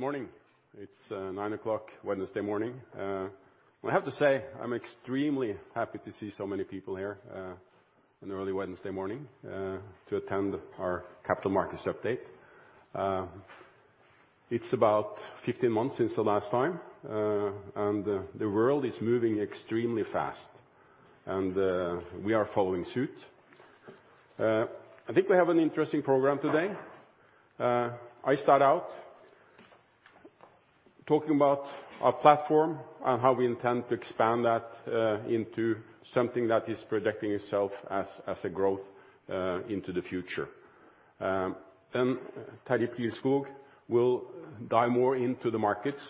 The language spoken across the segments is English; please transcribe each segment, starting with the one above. Good morning. It's 9:00 A.M., Wednesday morning. I have to say, I'm extremely happy to see so many people here on an early Wednesday morning to attend our capital markets update. It's about 15 months since the last time. The world is moving extremely fast. We are following suit. I think we have an interesting program today. I start out talking about our platform and how we intend to expand that into something that is projecting itself as a growth into the future. Terje Pilskog will dive more into the markets,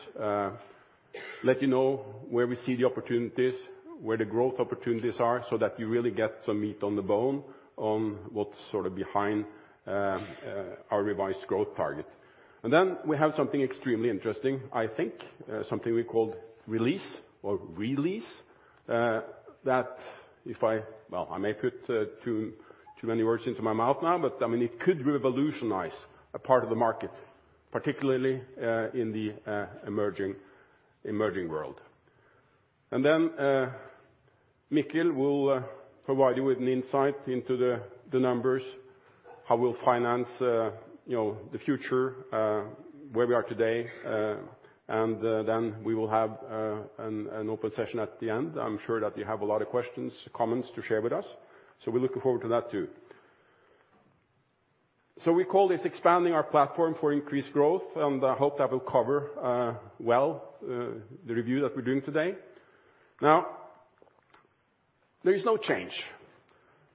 let you know where we see the opportunities, where the growth opportunities are, so that you really get some meat on the bone on what's sort of behind our revised growth target. Then we have something extremely interesting, I think, something we call Release or Re-lease. Well, I may put too many words into my mouth now, but it could revolutionize a part of the market, particularly, in the emerging world. Mikkel will provide you with an insight into the numbers, how we'll finance the future, where we are today, and then we will have an open session at the end. I'm sure that you have a lot of questions, comments to share with us, so we're looking forward to that, too. We call this expanding our platform for increased growth, and I hope that will cover well the review that we're doing today. Now, there is no change.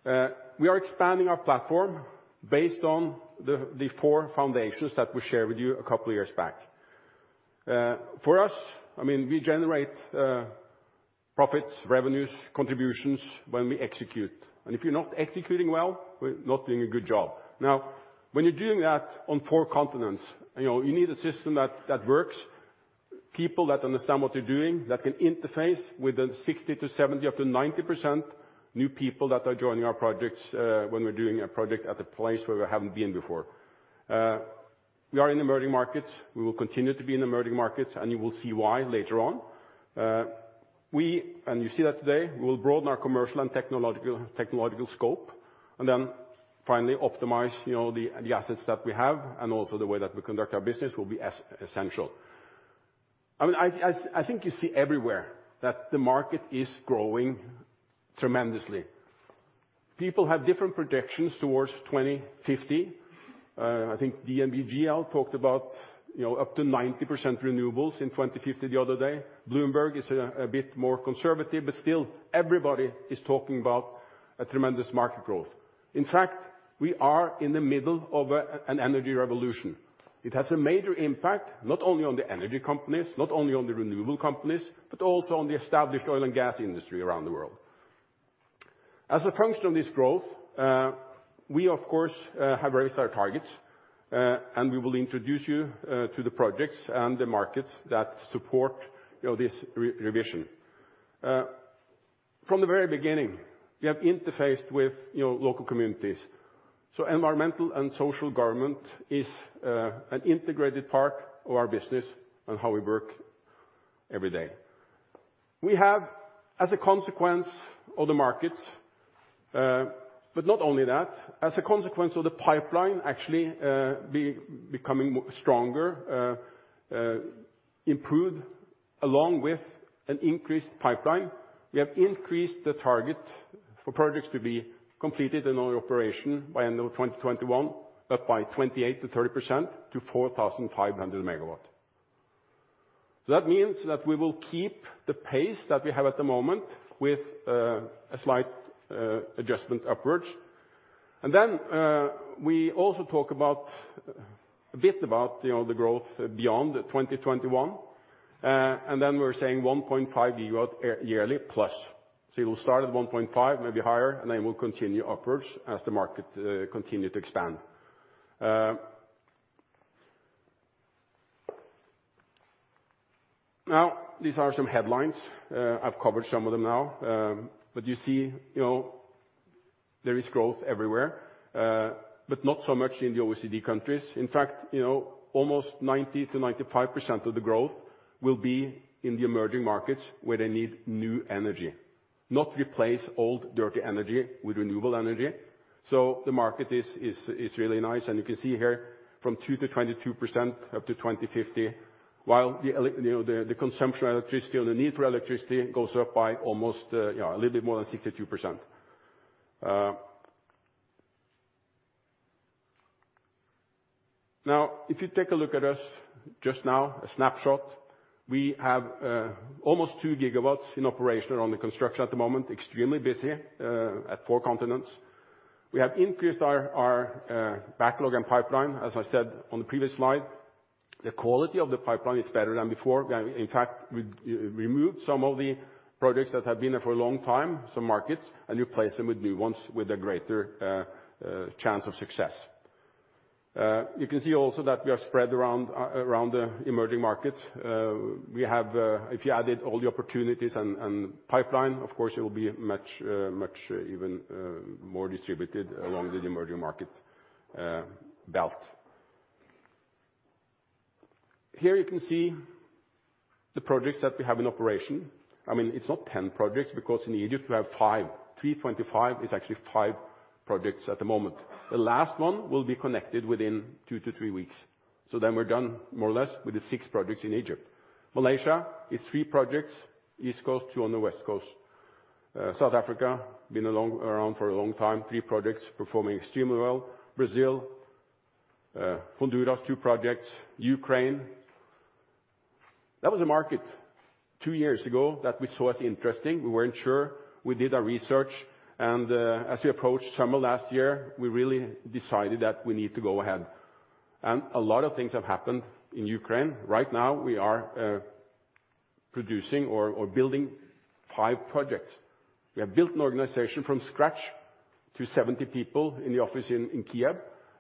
We are expanding our platform based on the four foundations that we shared with you a couple of years back. For us, we generate profits, revenues, contributions when we execute, and if you're not executing well, we're not doing a good job. When you're doing that on four continents, you need a system that works, people that understand what they're doing, that can interface with the 60%-70%, up to 90% new people that are joining our projects when we're doing a project at a place where we haven't been before. We are in emerging markets. We will continue to be in emerging markets, and you will see why later on. We, and you see that today, we will broaden our commercial and technological scope then finally optimize the assets that we have and also the way that we conduct our business will be essential. I think you see everywhere that the market is growing tremendously. People have different projections towards 2050. I think DNV GL talked about up to 90% renewables in 2050 the other day. Bloomberg is a bit more conservative, but still everybody is talking about a tremendous market growth. In fact, we are in the middle of an energy revolution. It has a major impact, not only on the energy companies, not only on the renewable companies, but also on the established oil and gas industry around the world. As a function of this growth, we of course, have raised our targets, and we will introduce you to the projects and the markets that support this revision. From the very beginning, we have interfaced with local communities, so environmental and social government is an integrated part of our business and how we work every day. We have, as a consequence of the markets, not only that, as a consequence of the pipeline actually becoming stronger, improved along with an increased pipeline, we have increased the target for projects to be completed in our operation by end of 2021, up by 28% to 30% to 4,500 megawatts. That means that we will keep the pace that we have at the moment with a slight adjustment upwards. We also talk a bit about the growth beyond 2021, we're saying 1.5 yearly plus. It will start at 1.5, maybe higher, and will continue upwards as the market continue to expand. These are some headlines. I've covered some of them now. You see there is growth everywhere, but not so much in the OECD countries. Almost 90%-95% of the growth will be in the emerging markets where they need new energy, not replace old, dirty energy with renewable energy. The market is really nice, and you can see here from 2%-22% up to 2050, while the consumption of electricity or the need for electricity goes up by a little bit more than 62%. If you take a look at us just now, a snapshot, we have almost two gigawatts in operation or under construction at the moment, extremely busy at 4 continents. We have increased our backlog and pipeline, as I said on the previous slide. The quality of the pipeline is better than before. We removed some of the projects that have been there for a long time, some markets, and replaced them with new ones with a greater chance of success. You can see also that we are spread around the emerging markets. If you added all the opportunities and pipeline, of course, it will be much even more distributed along the emerging market belt. You can see the projects that we have in operation. It's not 10 projects, because in Egypt we have five. 3.5 is actually five projects at the moment. The last one will be connected within two to three weeks. We're done, more or less, with the six projects in Egypt. Malaysia is three projects, East Coast, two on the West Coast. South Africa, been around for a long time, three projects performing extremely well. Brazil, Honduras, two projects. Ukraine. That was a market two years ago that we saw as interesting. We weren't sure. We did our research, as we approached summer last year, we really decided that we need to go ahead. A lot of things have happened in Ukraine. Right now, we are producing or building five projects. We have built an organization from scratch to 70 people in the office in Kiev.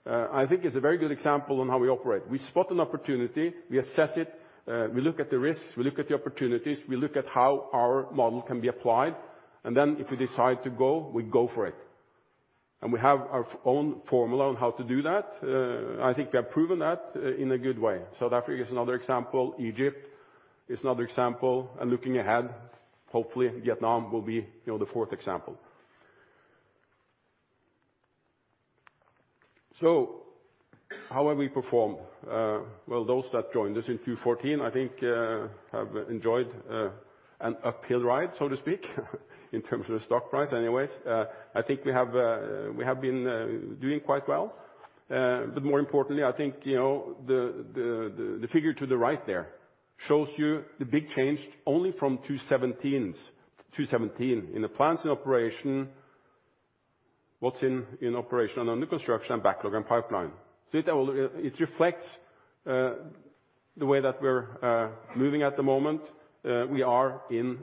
I think it's a very good example on how we operate. We spot an opportunity, we assess it, we look at the risks, we look at the opportunities, we look at how our model can be applied, and then if we decide to go, we go for it. We have our own formula on how to do that. I think we have proven that in a good way. South Africa is another example, Egypt is another example, and looking ahead, hopefully Vietnam will be the fourth example. How have we performed? Those that joined us in 2014, I think, have enjoyed an uphill ride, so to speak, in terms of the stock price anyways. I think we have been doing quite well. More importantly, I think the figure to the right there shows you the big change only from 2017 in the plans in operation, what's in operation and under construction, and backlog and pipeline. It reflects the way that we're moving at the moment. We are in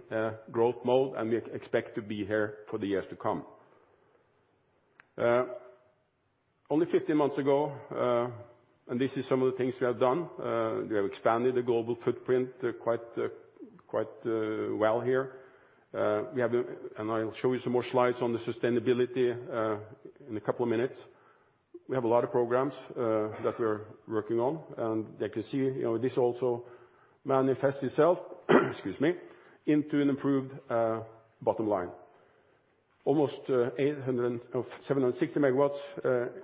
growth mode, and we expect to be here for the years to come. Only 15 months ago, and this is some of the things we have done. We have expanded the global footprint quite well here. I'll show you some more slides on the sustainability in a couple of minutes. We have a lot of programs that we're working on. You can see this also manifests itself into an improved bottom line. Almost 760 MW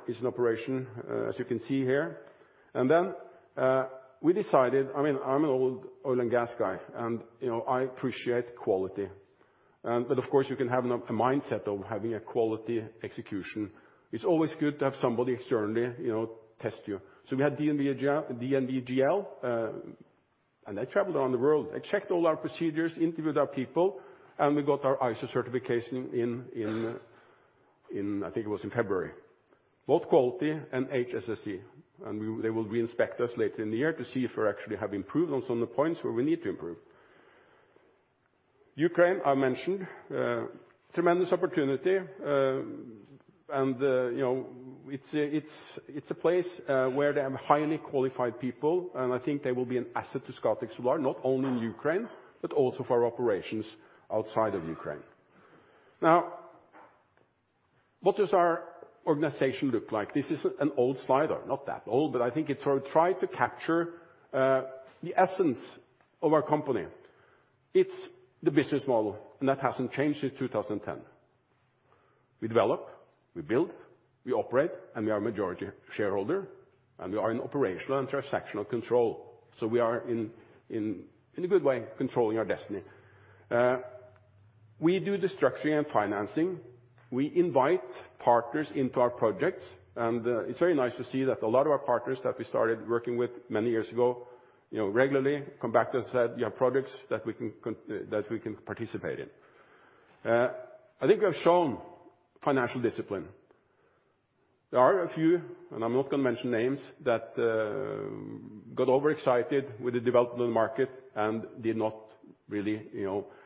is in operation, as you can see here. We decided, I'm an old oil and gas guy, and I appreciate quality. Of course, you can have a mindset of having a quality execution. It's always good to have somebody externally test you. We had DNV GL, and they traveled around the world. They checked all our procedures, interviewed our people, and we got our ISO certification in, I think it was in February. Both quality and HSSE. They will re-inspect us later in the year to see if we actually have improved on some of the points where we need to improve. Ukraine, I mentioned. Tremendous opportunity. It's a place where they have highly qualified people, and I think they will be an asset to Scatec Solar, not only in Ukraine, but also for our operations outside of Ukraine. What does our organization look like? This is an old slide. Not that old, but I think it sort of tried to capture the essence of our company. It's the business model, and that hasn't changed since 2010. We develop, we build, we operate, and we are majority shareholder, and we are in operational and transactional control. We are, in a good way, controlling our destiny. We do the structuring and financing. We invite partners into our projects. It's very nice to see that a lot of our partners that we started working with many years ago regularly come back to us and say, "Do you have projects that we can participate in?" I think we have shown financial discipline. There are a few, and I'm not going to mention names, that got overexcited with the development of the market and did not really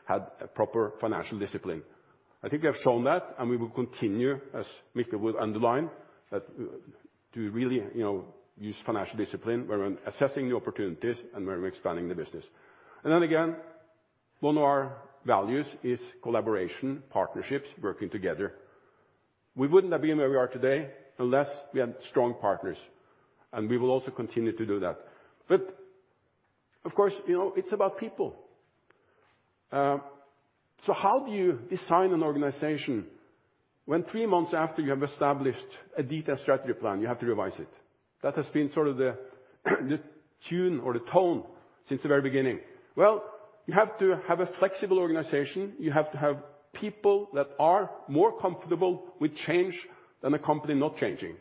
have proper financial discipline. I think we have shown that, and we will continue, as Mikkel will underline, to really use financial discipline when we're assessing the opportunities and when we're expanding the business. Then again, one of our values is collaboration, partnerships, working together. We wouldn't have been where we are today unless we had strong partners. We will also continue to do that. Of course, it's about people. How do you design an organization when three months after you have established a detailed strategy plan, you have to revise it? That has been sort of the tune or the tone since the very beginning. You have to have a flexible organization. You have to have people that are more comfortable with change than a company not changing.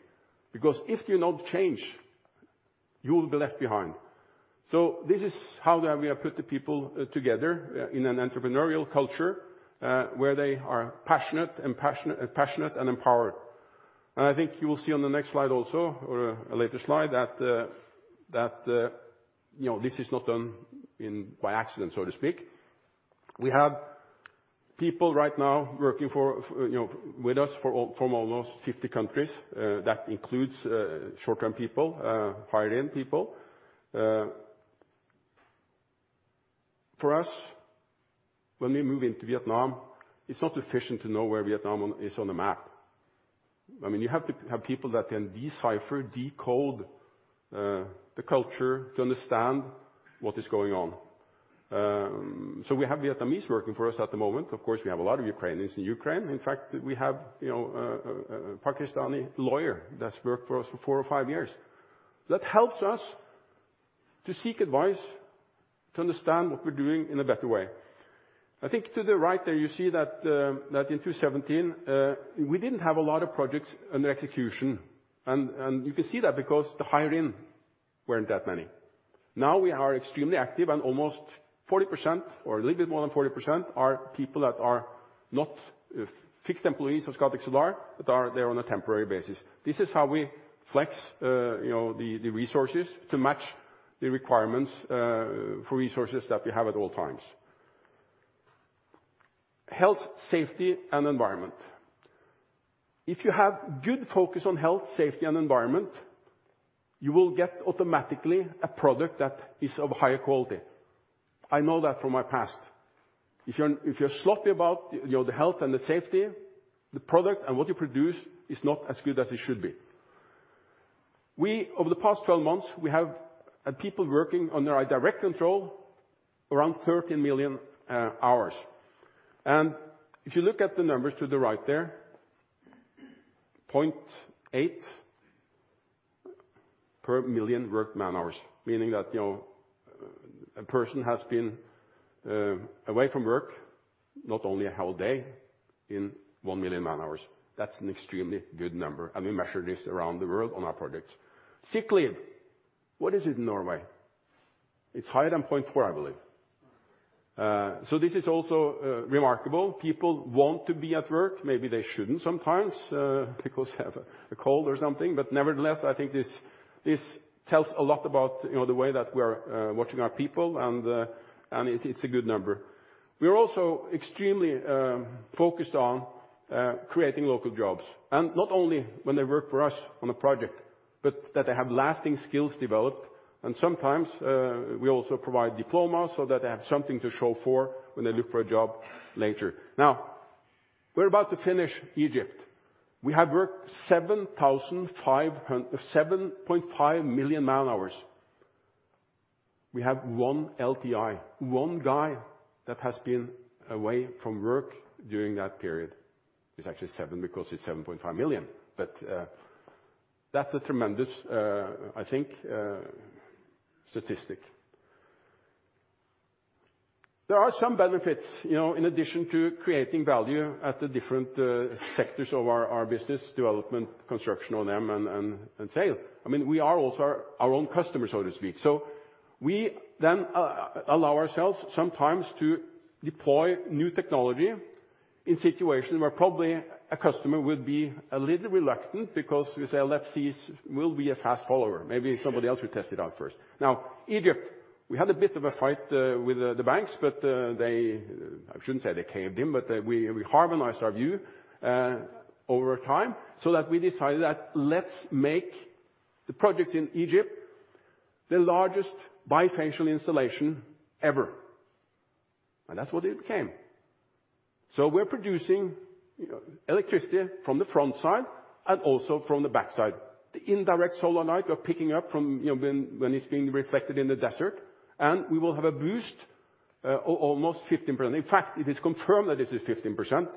If you're not change, you will be left behind. This is how we have put the people together in an entrepreneurial culture, where they are passionate, impassioned, and empowered. I think you will see on the next slide also, or a later slide, that this is not done by accident, so to speak. We have people right now working with us from almost 50 countries. That includes short-term people, hired-in people. For us, when we move into Vietnam, it's not sufficient to know where Vietnam is on a map. You have to have people that can decipher, decode the culture to understand what is going on. We have Vietnamese working for us at the moment. Of course, we have a lot of Ukrainians in Ukraine. In fact, we have a Pakistani lawyer that's worked for us for four or five years. That helps us to seek advice, to understand what we're doing in a better way. I think to the right there, you see that in 2017, we didn't have a lot of projects under execution. You can see that because the hiring weren't that many. Now we are extremely active and almost 40%, or a little bit more than 40%, are people that are not fixed employees of Scatec Solar, but are there on a temporary basis. This is how we flex the resources to match the requirements for resources that we have at all times. Health, safety, and environment. If you have good focus on Health, safety, and environment, you will get automatically a product that is of higher quality. I know that from my past. If you're sloppy about the health and the safety, the product and what you produce is not as good as it should be. Over the past 12 months, we have had people working under our direct control around 13 million hours. If you look at the numbers to the right there, 0.8 per million worked man-hours, meaning that a person has been away from work not only a whole day in 1 million man-hours. That's an extremely good number, and we measure this around the world on our projects. Sick leave. What is it in Norway? It's higher than 0.4, I believe. This is also remarkable. People want to be at work. Maybe they shouldn't sometimes because they have a cold or something. Nevertheless, I think this tells a lot about the way that we are watching our people, and it's a good number. We are also extremely focused on creating local jobs, not only when they work for us on a project, but that they have lasting skills developed and sometimes, we also provide diplomas so that they have something to show for when they look for a job later. We're about to finish Egypt. We have worked 7.5 million man-hours. We have one LTI, one guy that has been away from work during that period. It's actually seven because it's 7.5 million. That's a tremendous, I think, statistic. There are some benefits, in addition to creating value at the different sectors of our business development, construction of them, and sale. We are also our own customer, so to speak. We allow ourselves sometimes to deploy new technology in situations where probably a customer would be a little reluctant because we say, "We'll be a fast follower. Maybe somebody else will test it out first." Now, Egypt. We had a bit of a fight with the banks, but they I shouldn't say they caved in, but we harmonized our view over time so that we decided that let's make the project in Egypt the largest bifacial installation ever, That's what it became. We're producing electricity from the front side and also from the back side. The indirect solar light we're picking up from when it's being reflected in the desert, We will have a boost almost 15%. In fact, it is confirmed that this is 15%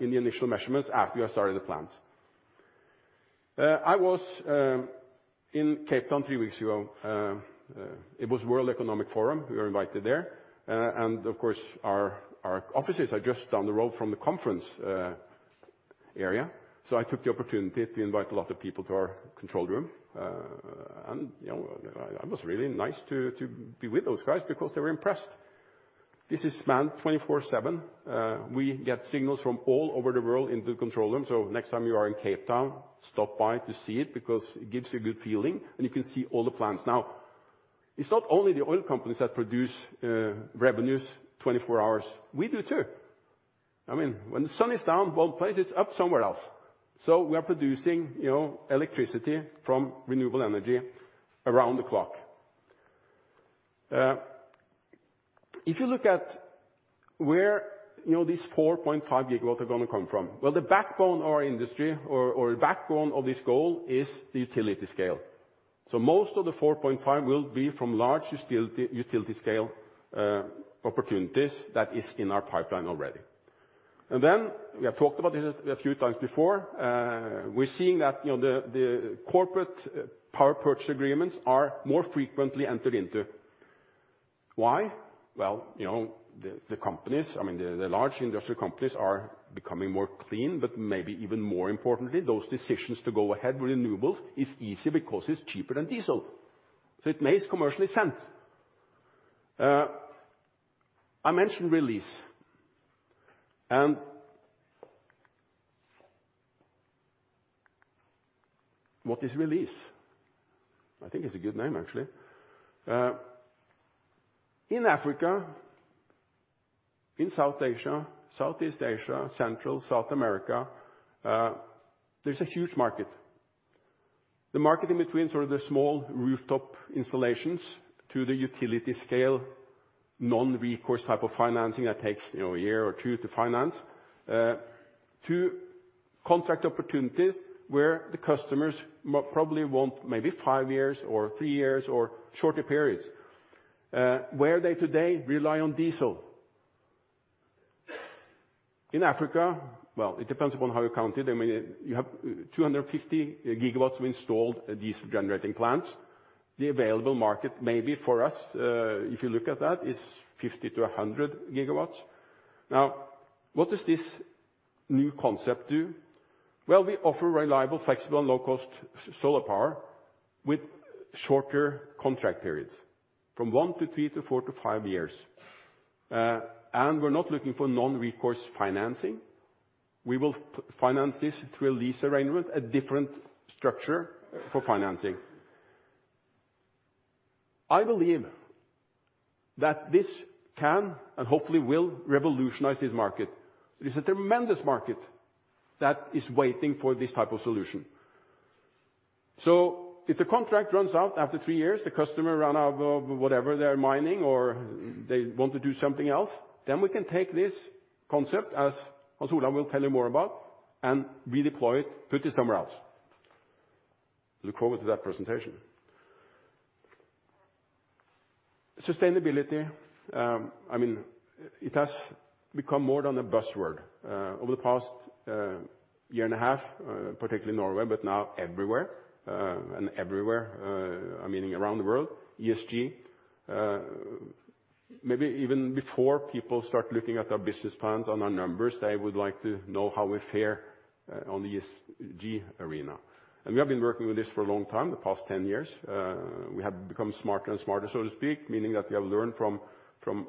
in the initial measurements after we have started the plant. I was in Cape Town three weeks ago. It was World Economic Forum. We were invited there. Of course, our offices are just down the road from the conference area. I took the opportunity to invite a lot of people to our control room. That was really nice to be with those guys because they were impressed. This is manned 24/7. We get signals from all over the world in the control room. Next time you are in Cape Town, stop by to see it because it gives you a good feeling, and you can see all the plans. Now, it's not only the oil companies that produce revenues 24 hours. We do, too. When the sun is down in one place, it's up somewhere else. We are producing electricity from renewable energy around the clock. If you look at where these 4.5 GW are going to come from. Well, the backbone of our industry or the backbone of this goal is the utility scale. Most of the 4.5 will be from large utility scale opportunities that is in our pipeline already. We have talked about this a few times before. We're seeing that the corporate power purchase agreements are more frequently entered into. Why? Well, the large industrial companies are becoming more clean, but maybe even more importantly, those decisions to go ahead with renewables is easy because it's cheaper than diesel. It makes commercial sense. I mentioned Release. What is Release? I think it's a good name, actually. In Africa, South Asia, Southeast Asia, Central and South America, there's a huge market. The market in between the small rooftop installations to the utility scale, non-recourse type of financing that takes a year or 2 to finance, to contract opportunities where the customers probably want maybe 5 years or 3 years or shorter periods, where they today rely on diesel. In Africa, it depends upon how you count it, you have 250 GW of installed diesel generating plants. The available market maybe for us, if you look at that, is 50-100 GW. Now, what does this new concept do? Well, we offer reliable, flexible, and low-cost solar power with shorter contract periods, from 1 to 3 to 4 to 5 years. We're not looking for non-recourse financing. We will finance this through a lease arrangement, a different structure for financing. I believe that this can, and hopefully will, revolutionize this market. It is a tremendous market that is waiting for this type of solution. If the contract runs out after three years, the customer run out of whatever they're mining or they want to do something else, then we can take this concept, as Hans Olav will tell you more about, and redeploy it, put it somewhere else. Look forward to that presentation. Sustainability. It has become more than a buzzword. Over the past year and a half, particularly in Norway, but now everywhere. Everywhere, I'm meaning around the world, ESG, maybe even before people start looking at our business plans and our numbers, they would like to know how we fare on the ESG arena. We have been working with this for a long time, the past 10 years. We have become smarter and smarter, so to speak, meaning that we have learned from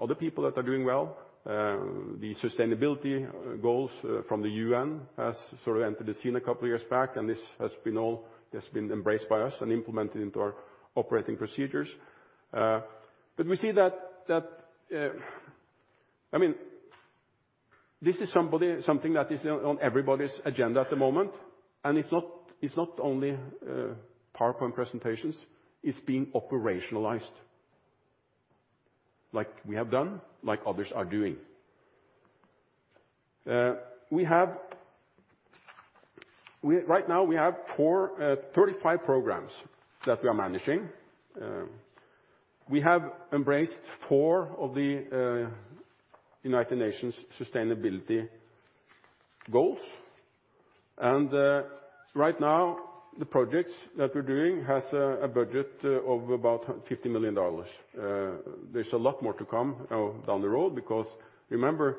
other people that are doing well. The sustainability goals from the UN has sort of entered the scene a couple of years back. This has been embraced by us and implemented into our operating procedures. This is something that is on everybody's agenda at the moment, and it's not only PowerPoint presentations, it's being operationalized like we have done, like others are doing. Right now, we have 35 programs that we are managing. We have embraced four of the United Nations sustainability goals. Right now the projects that we're doing has a budget of about $50 million. There's a lot more to come down the road because remember,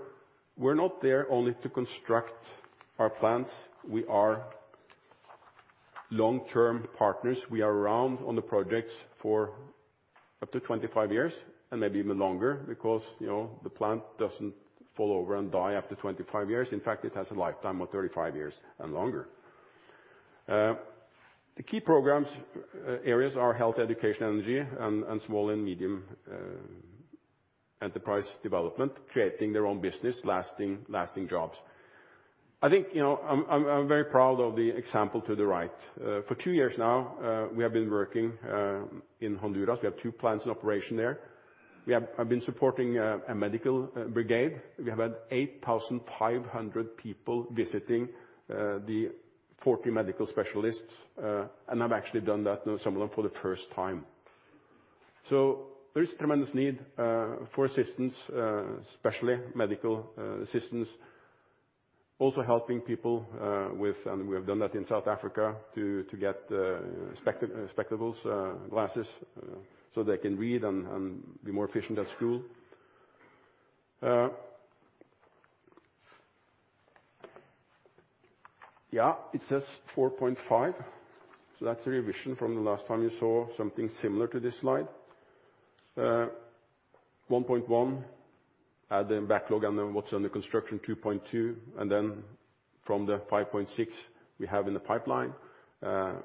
we're not there only to construct our plants. We are long-term partners. We are around on the projects for up to 25 years and maybe even longer because the plant doesn't fall over and die after 25 years. In fact, it has a lifetime of 35 years and longer. The key programs areas are health, education, energy, and small and medium enterprise development, creating their own business, lasting jobs. I'm very proud of the example to the right. For two years now, we have been working in Honduras. We have two plants in operation there. We have been supporting a medical brigade. We have had 8,500 people visiting the 40 medical specialists, and have actually done that, some of them for the first time. There is tremendous need for assistance, especially medical assistance. Also helping people with, and we have done that in South Africa, to get spectacles, glasses, so they can read and be more efficient at school. Yeah, it says 4.5. That's a revision from the last time you saw something similar to this slide. 1.1, add in backlog and then what's under construction, 2.2, and then from the 5.6 we have in the pipeline,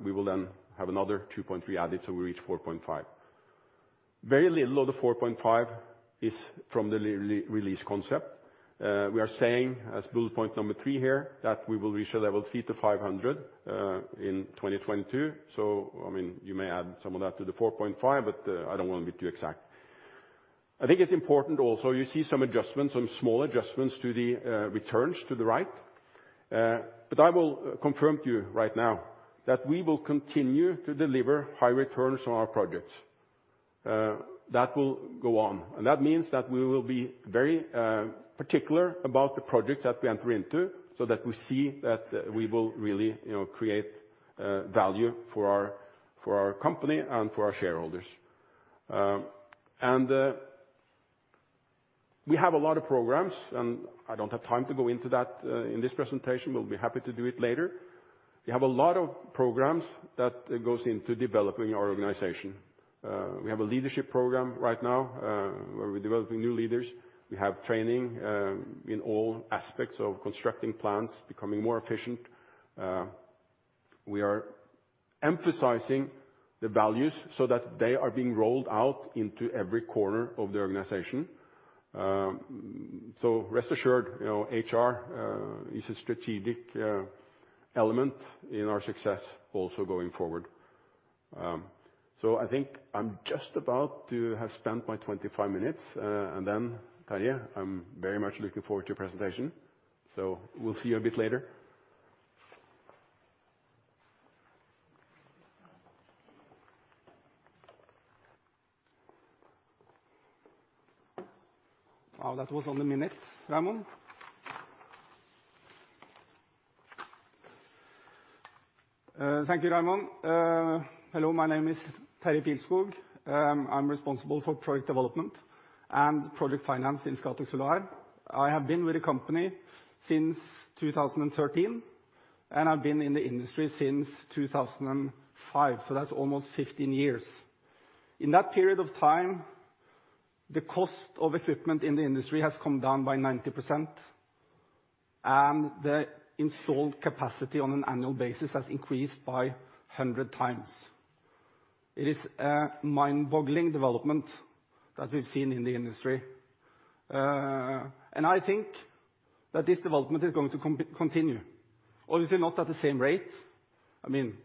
we will then have another 2.3 added, so we reach 4.5. Very little of the 4.5 is from the Release concept. We are saying as bullet point number 3 here that we will reach a level 300 to 500 in 2022. You may add some of that to the 4.5, but I don't want to be too exact. I think it's important also, you see some adjustments, some small adjustments to the returns to the right. I will confirm to you right now that we will continue to deliver high returns on our projects. That will go on, that means that we will be very particular about the projects that we enter into so that we see that we will really create value for our company and for our shareholders. We have a lot of programs, I don't have time to go into that in this presentation. We'll be happy to do it later. We have a lot of programs that goes into developing our organization. We have a leadership program right now, where we're developing new leaders. We have training in all aspects of constructing plants, becoming more efficient. We are emphasizing the values so that they are being rolled out into every corner of the organization. Rest assured, HR is a strategic element in our success also going forward. I think I'm just about to have spent my 25 minutes, and then, Terje, I'm very much looking forward to your presentation. We'll see you a bit later. Well, that was on the minute, Raymond. Thank you, Raymond. Hello, my name is Terje Pilskog. I'm responsible for product development and product finance in Scatec Solar. I have been with the company since 2013, and I've been in the industry since 2005, so that's almost 15 years. In that period of time, the cost of equipment in the industry has come down by 90%, and the installed capacity on an annual basis has increased by 100 times. It is a mind-boggling development that we've seen in the industry. I think that this development is going to continue. Obviously not at the same rate.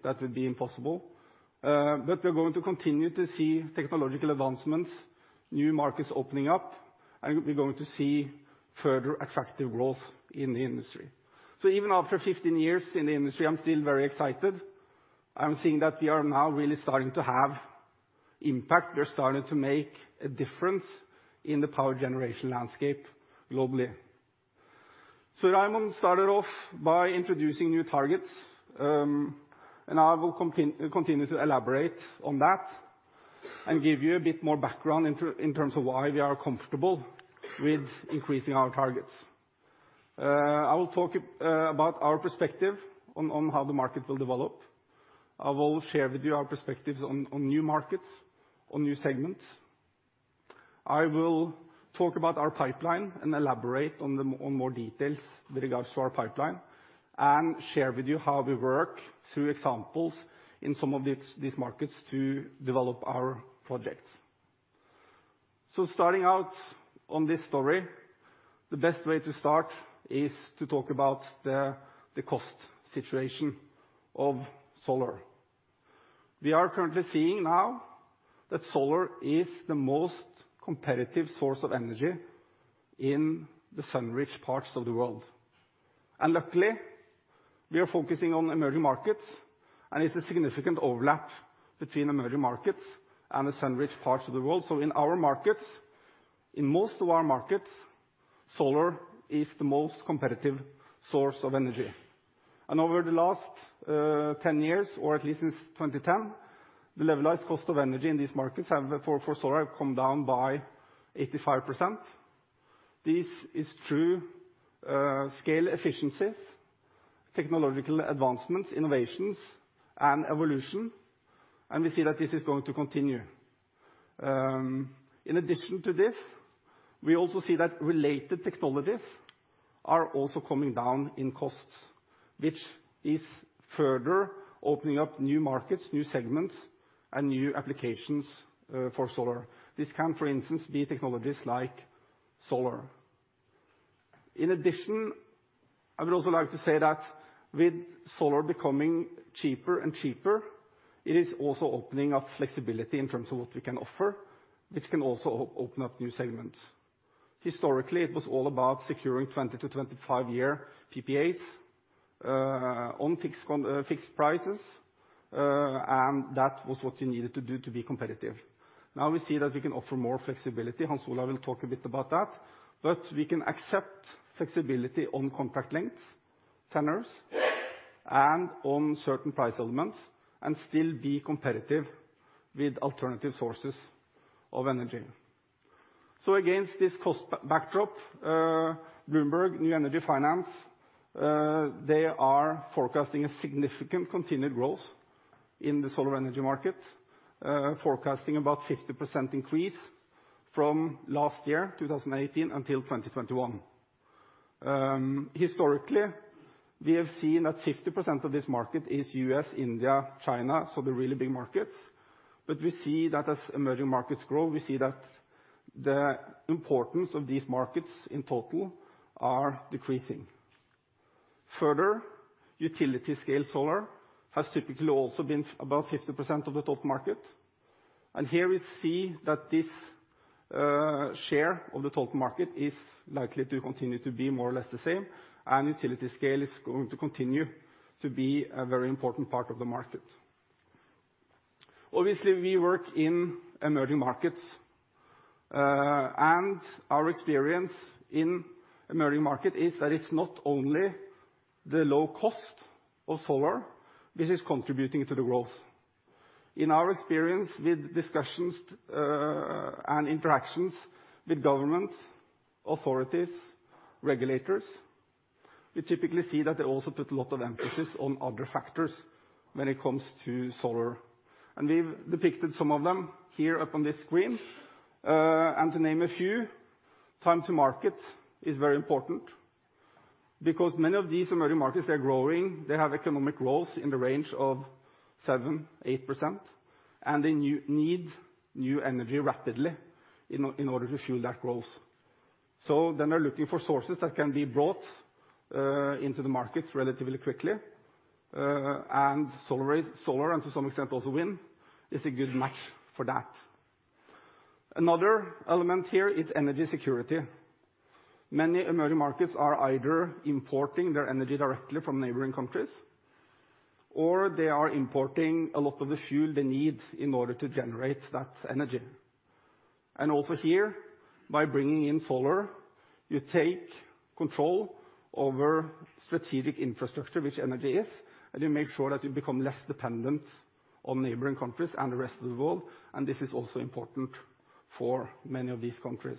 That would be impossible. We're going to continue to see technological advancements, new markets opening up, and we're going to see further attractive growth in the industry. Even after 15 years in the industry, I'm still very excited. I'm seeing that we are now really starting to have impact. We're starting to make a difference in the power generation landscape globally. Raymond started off by introducing new targets, and I will continue to elaborate on that and give you a bit more background in terms of why we are comfortable with increasing our targets. I will talk about our perspective on how the market will develop. I will share with you our perspectives on new markets, on new segments. I will talk about our pipeline and elaborate on more details with regards to our pipeline, and share with you how we work through examples in some of these markets to develop our projects. Starting out on this story, the best way to start is to talk about the cost situation of solar. We are currently seeing now that solar is the most competitive source of energy in the sun-rich parts of the world. Luckily, we are focusing on emerging markets, and it's a significant overlap between emerging markets and the sun-rich parts of the world. In most of our markets, solar is the most competitive source of energy. Over the last 10 years, or at least since 2010, the levelized cost of energy in these markets for solar have come down by 85%. This is through scale efficiencies, technological advancements, innovations, and evolution, and we see that this is going to continue. In addition to this, we also see that related technologies are also coming down in costs, which is further opening up new markets, new segments, and new applications for solar. This can, for instance, be technologies like solar. In addition, I would also like to say that with solar becoming cheaper and cheaper, it is also opening up flexibility in terms of what we can offer, which can also open up new segments. Historically, it was all about securing 20 to 25-year PPAs on fixed prices, and that was what you needed to do to be competitive. Now we see that we can offer more flexibility. Hans Olav will talk a bit about that. We can accept flexibility on contract lengths, tenors, and on certain price elements, and still be competitive with alternative sources of energy. Against this cost backdrop, Bloomberg New Energy Finance, they are forecasting a significant continued growth in the solar energy market. Forecasting about 50% increase from last year, 2018, until 2021. Historically, we have seen that 50% of this market is U.S., India, China, so the really big markets. We see that as emerging markets grow, we see that the importance of these markets in total are decreasing. Further, utility-scale solar has typically also been about 50% of the total market. Here we see that this share of the total market is likely to continue to be more or less the same, and utility-scale is going to continue to be a very important part of the market. Obviously, we work in emerging markets. Our experience in emerging market is that it's not only the low cost of solar which is contributing to the growth. In our experience with discussions and interactions with governments, authorities, regulators, we typically see that they also put a lot of emphasis on other factors when it comes to solar. We've depicted some of them here up on this screen. To name a few. Time to market is very important because many of these emerging markets are growing. They have economic growth in the range of 7%, 8%, and they need new energy rapidly in order to fuel that growth. They are looking for sources that can be brought into the market relatively quickly, and solar, and to some extent also wind, is a good match for that. Another element here is energy security. Many emerging markets are either importing their energy directly from neighboring countries, or they are importing a lot of the fuel they need in order to generate that energy. Also here, by bringing in solar, you take control over strategic infrastructure, which energy is, and you make sure that you become less dependent on neighboring countries and the rest of the world, and this is also important for many of these countries.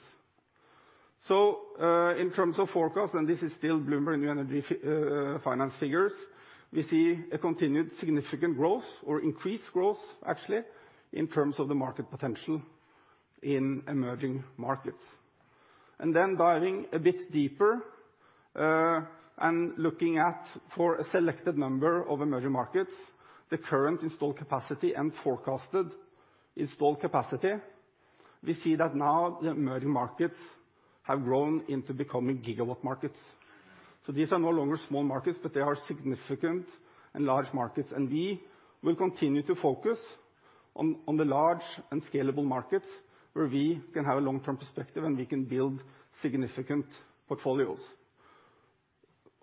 In terms of forecast, and this is still BloombergNEF figures, we see a continued significant growth or increased growth actually, in terms of the market potential in emerging markets. Then diving a bit deeper, and looking at for a selected number of emerging markets, the current installed capacity and forecasted installed capacity, we see that now the emerging markets have grown into becoming gigawatt markets. These are no longer small markets, but they are significant and large markets. We will continue to focus on the large and scalable markets where we can have a long-term perspective, and we can build significant portfolios.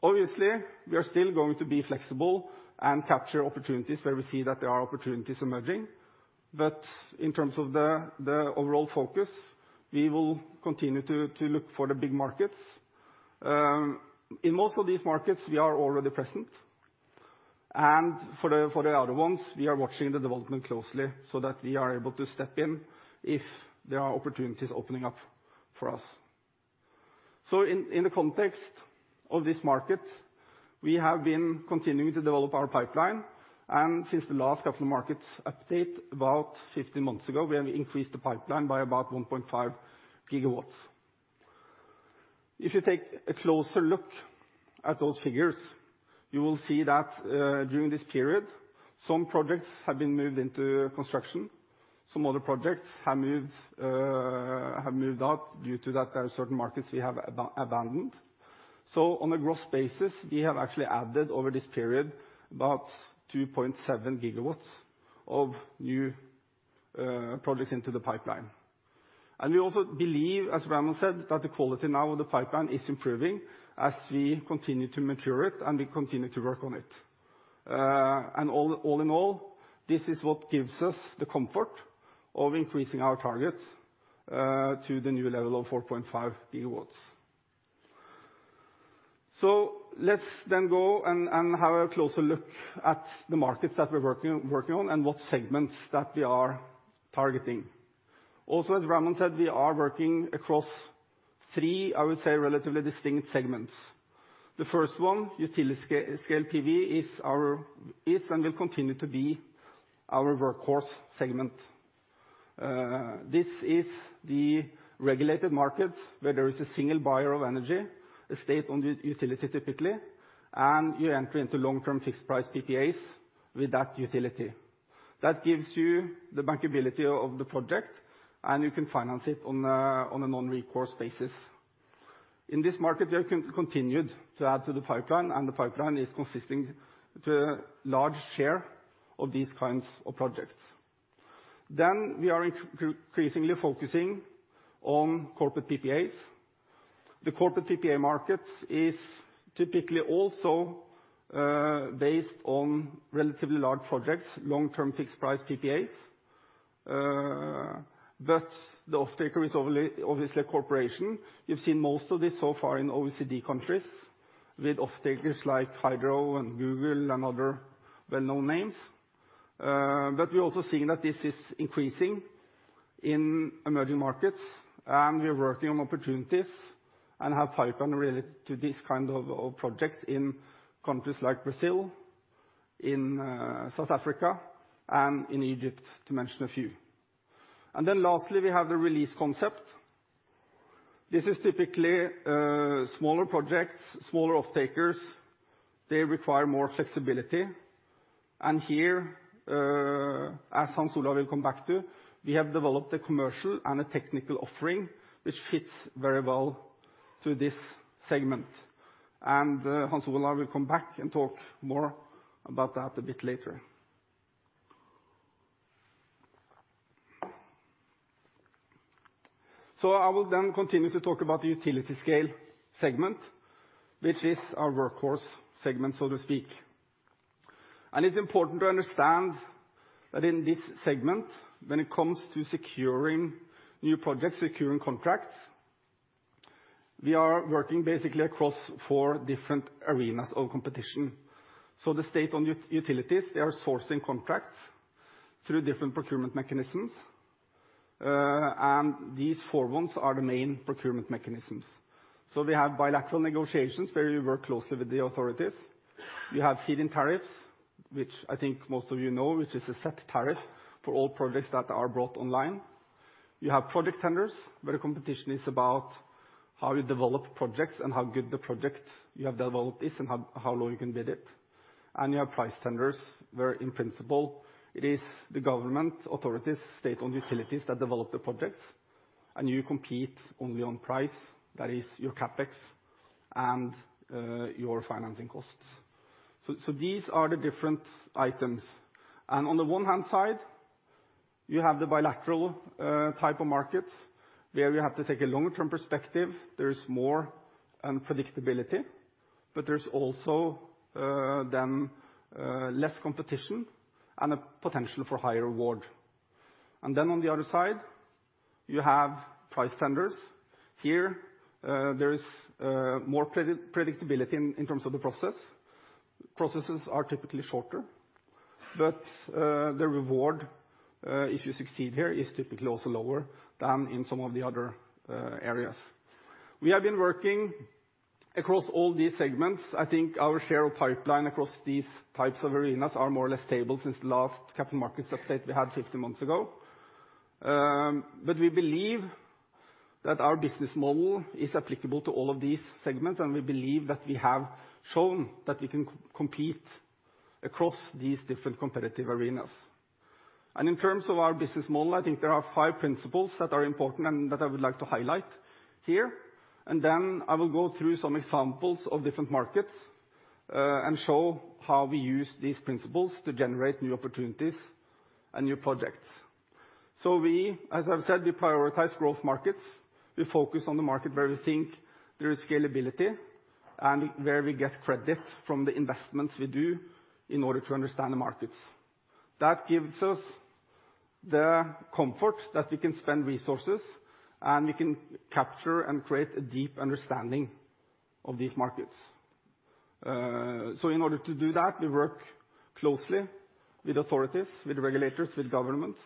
Obviously, we are still going to be flexible and capture opportunities where we see that there are opportunities emerging. In terms of the overall focus, we will continue to look for the big markets. In most of these markets, we are already present. For the other ones, we are watching the development closely so that we are able to step in if there are opportunities opening up for us. In the context of this market, we have been continuing to develop our pipeline. Since the last capital markets update about 15 months ago, we have increased the pipeline by about 1.5 GW. If you take a closer look at those figures, you will see that during this period, some projects have been moved into construction. Some other projects have moved out due to that there are certain markets we have abandoned. On a growth basis, we have actually added over this period, about 2.7 GW of new projects into the pipeline. We also believe, as Raymond said, that the quality now of the pipeline is improving as we continue to mature it and we continue to work on it. All in all, this is what gives us the comfort of increasing our targets to the new level of 4.5 GW. Let's then go and have a closer look at the markets that we're working on and what segments that we are targeting. Also, as Raymond said, we are working across three, I would say, relatively distinct segments. The first one, utility scale PV, is and will continue to be our workhorse segment. This is the regulated market where there is a single buyer of energy, a state-owned utility typically, and you enter into long-term fixed-price PPAs with that utility. That gives you the bankability of the project, and you can finance it on a non-recourse basis. In this market, we have continued to add to the pipeline, and the pipeline is consisting to large share of these kinds of projects. We are increasingly focusing on corporate PPAs. The corporate PPA market is typically also based on relatively large projects, long-term fixed-price PPAs, but the offtaker is obviously a corporation. You've seen most of this so far in OECD countries with offtakers like Hydro and Google and other well-known names. We are also seeing that this is increasing in emerging markets, and we are working on opportunities and have pipeline related to these kind of projects in countries like Brazil, in South Africa and in Egypt, to mention a few. Lastly, we have the Release concept. This is typically smaller projects, smaller offtakers. They require more flexibility. Here, as Hans Olav will come back to, we have developed a commercial and a technical offering, which fits very well to this segment. Hans Olav will come back and talk more about that a bit later. I will continue to talk about the utility scale segment, which is our workhorse segment, so to speak. It's important to understand that in this segment, when it comes to securing new projects, securing contracts, we are working basically across 4 different arenas of competition. The state-owned utilities, they are sourcing contracts through different procurement mechanisms. These 4 ones are the main procurement mechanisms. We have bilateral negotiations where we work closely with the authorities. You have feed-in tariffs, which I think most of you know, which is a set tariff for all projects that are brought online. You have project tenders, where the competition is about how you develop projects and how good the project you have developed is and how low you can bid it. You have price tenders, where in principle it is the government authorities, state-owned utilities that develop the projects, and you compete only on price. That is your CapEx and your financing costs. These are the different items. On the one hand side, you have the bilateral type of markets, where you have to take a longer-term perspective. There is more unpredictability, but there is also then less competition and a potential for higher reward. On the other side, you have price tenders. Here, there is more predictability in terms of the process. Processes are typically shorter. The reward, if you succeed here, is typically also lower than in some of the other areas. We have been working across all these segments. I think our share of pipeline across these types of arenas are more or less stable since the last capital markets update we had 15 months ago. We believe that our business model is applicable to all of these segments, and we believe that we have shown that we can compete across these different competitive arenas. In terms of our business model, I think there are five principles that are important and that I would like to highlight here. Then I will go through some examples of different markets, and show how we use these principles to generate new opportunities and new projects. We, as I've said, we prioritize growth markets. We focus on the market where we think there is scalability and where we get credit from the investments we do in order to understand the markets. That gives us the comfort that we can spend resources, and we can capture and create a deep understanding of these markets. In order to do that, we work closely with authorities, with regulators, with governments,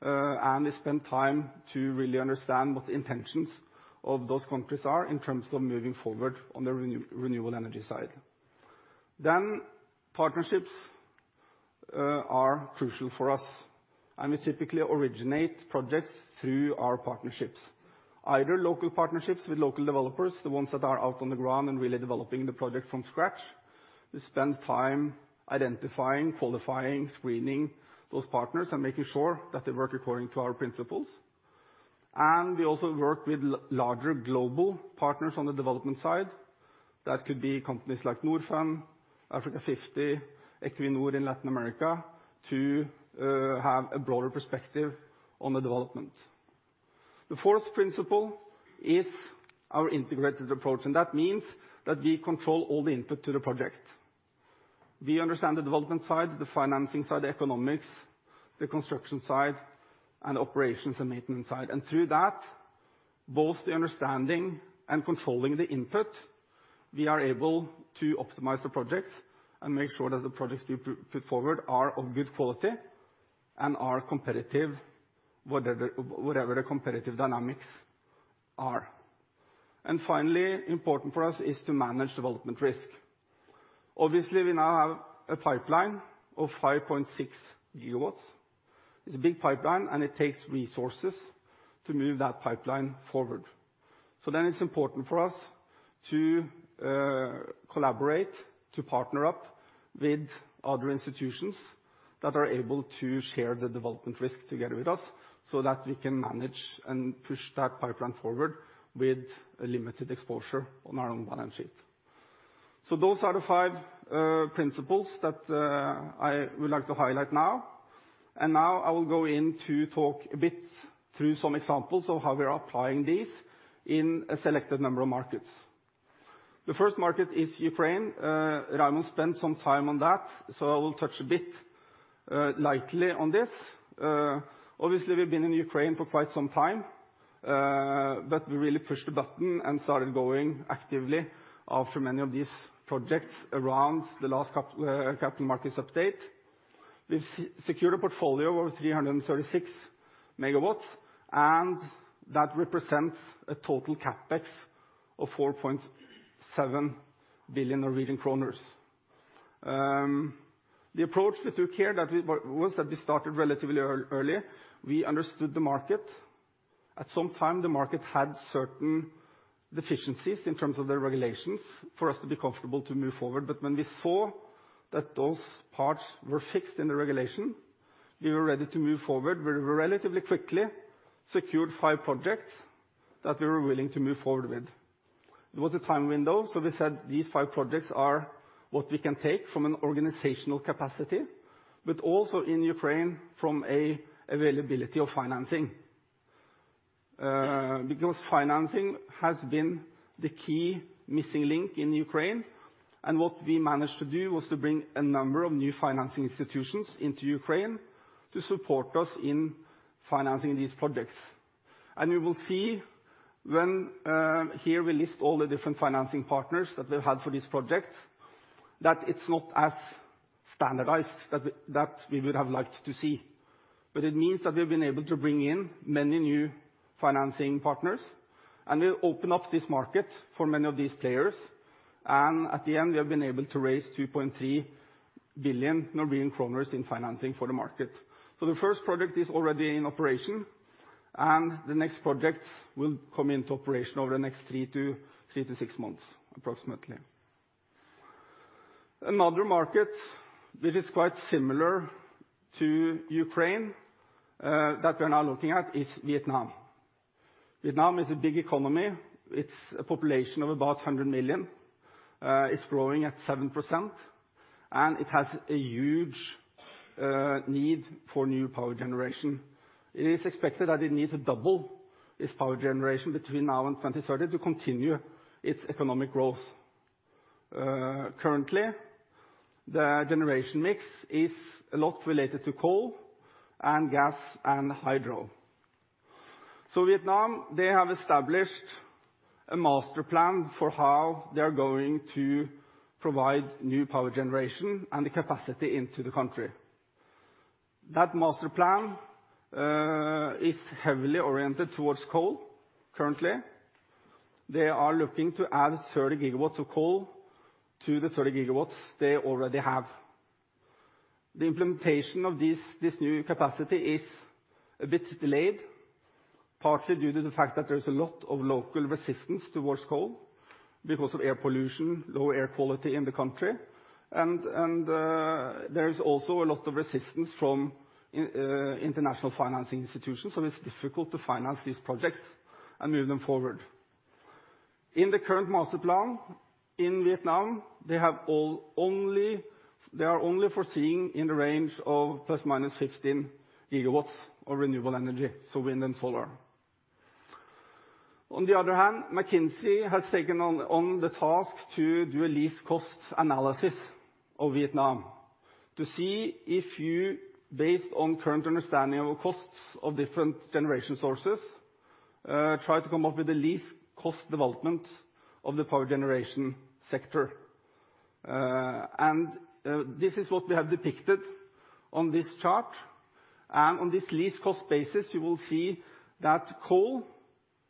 and we spend time to really understand what the intentions of those countries are in terms of moving forward on the renewable energy side. Partnerships are crucial for us, and we typically originate projects through our partnerships, either local partnerships with local developers, the ones that are out on the ground and really developing the project from scratch. We spend time identifying, qualifying, screening those partners and making sure that they work according to our principles. We also work with larger global partners on the development side. That could be companies like Norfund, Africa50, Equinor in Latin America, to have a broader perspective on the development. The fourth principle is our integrated approach. That means that we control all the input to the project. We understand the development side, the financing side, economics, the construction side, and operations and maintenance side. Through that, both the understanding and controlling the input, we are able to optimize the projects and make sure that the projects we put forward are of good quality and are competitive, whatever the competitive dynamics are. Finally, important for us is to manage development risk. Obviously, we now have a pipeline of 5.6 GW. It's a big pipeline, and it takes resources to move that pipeline forward. Then it's important for us to collaborate, to partner up with other institutions that are able to share the development risk together with us, so that we can manage and push that pipeline forward with a limited exposure on our own balance sheet. Those are the five principles that I would like to highlight now. Now I will go in to talk a bit through some examples of how we are applying these in a selected number of markets. The first market is Ukraine. Raymond spent some time on that, so I will touch a bit lightly on this. Obviously, we've been in Ukraine for quite some time, but we really pushed the button and started going actively after many of these projects around the last capital markets update. We've secured a portfolio of over 336 MW, and that represents a total CapEx of 4.7 billion Norwegian kroner. The approach we took here was that we started relatively early. We understood the market. At some time, the market had certain deficiencies in terms of the regulations for us to be comfortable to move forward. When we saw that those parts were fixed in the regulation, we were ready to move forward. We relatively quickly secured five projects that we were willing to move forward with. It was a time window, so we said these five projects are what we can take from an organizational capacity, but also in Ukraine from availability of financing. Because financing has been the key missing link in Ukraine, and what we managed to do was to bring a number of new financing institutions into Ukraine to support us in financing these projects. We will see when, here we list all the different financing partners that we've had for this project, that it's not as standardized that we would have liked to see. It means that we've been able to bring in many new financing partners, and we've opened up this market for many of these players. At the end, we have been able to raise 2.3 billion Norwegian kroner in financing for the market. The first project is already in operation, and the next projects will come into operation over the next three to six months, approximately. Another market that is quite similar to Ukraine that we're now looking at is Vietnam. Vietnam is a big economy. It's a population of about 200 million, is growing at 7%, and it has a huge need for new power generation. It is expected that it needs to double its power generation between now and 2030 to continue its economic growth. Currently, the generation mix is a lot related to coal and gas and hydro. Vietnam, they have established a master plan for how they're going to provide new power generation and the capacity into the country. That master plan is heavily oriented towards coal currently. They are looking to add 30 GW of coal to the 30 GW they already have. The implementation of this new capacity is a bit delayed, partly due to the fact that there's a lot of local resistance towards coal because of air pollution, low air quality in the country. There is also a lot of resistance from international financing institutions, so it's difficult to finance these projects and move them forward. In the current master plan in Vietnam, they are only foreseeing in the range of ±15 GW of renewable energy, so wind and solar. On the other hand, McKinsey has taken on the task to do a least cost analysis of Vietnam to see if you, based on current understanding of costs of different generation sources, try to come up with the least cost development of the power generation sector. This is what we have depicted on this chart. On this least cost basis, you will see that coal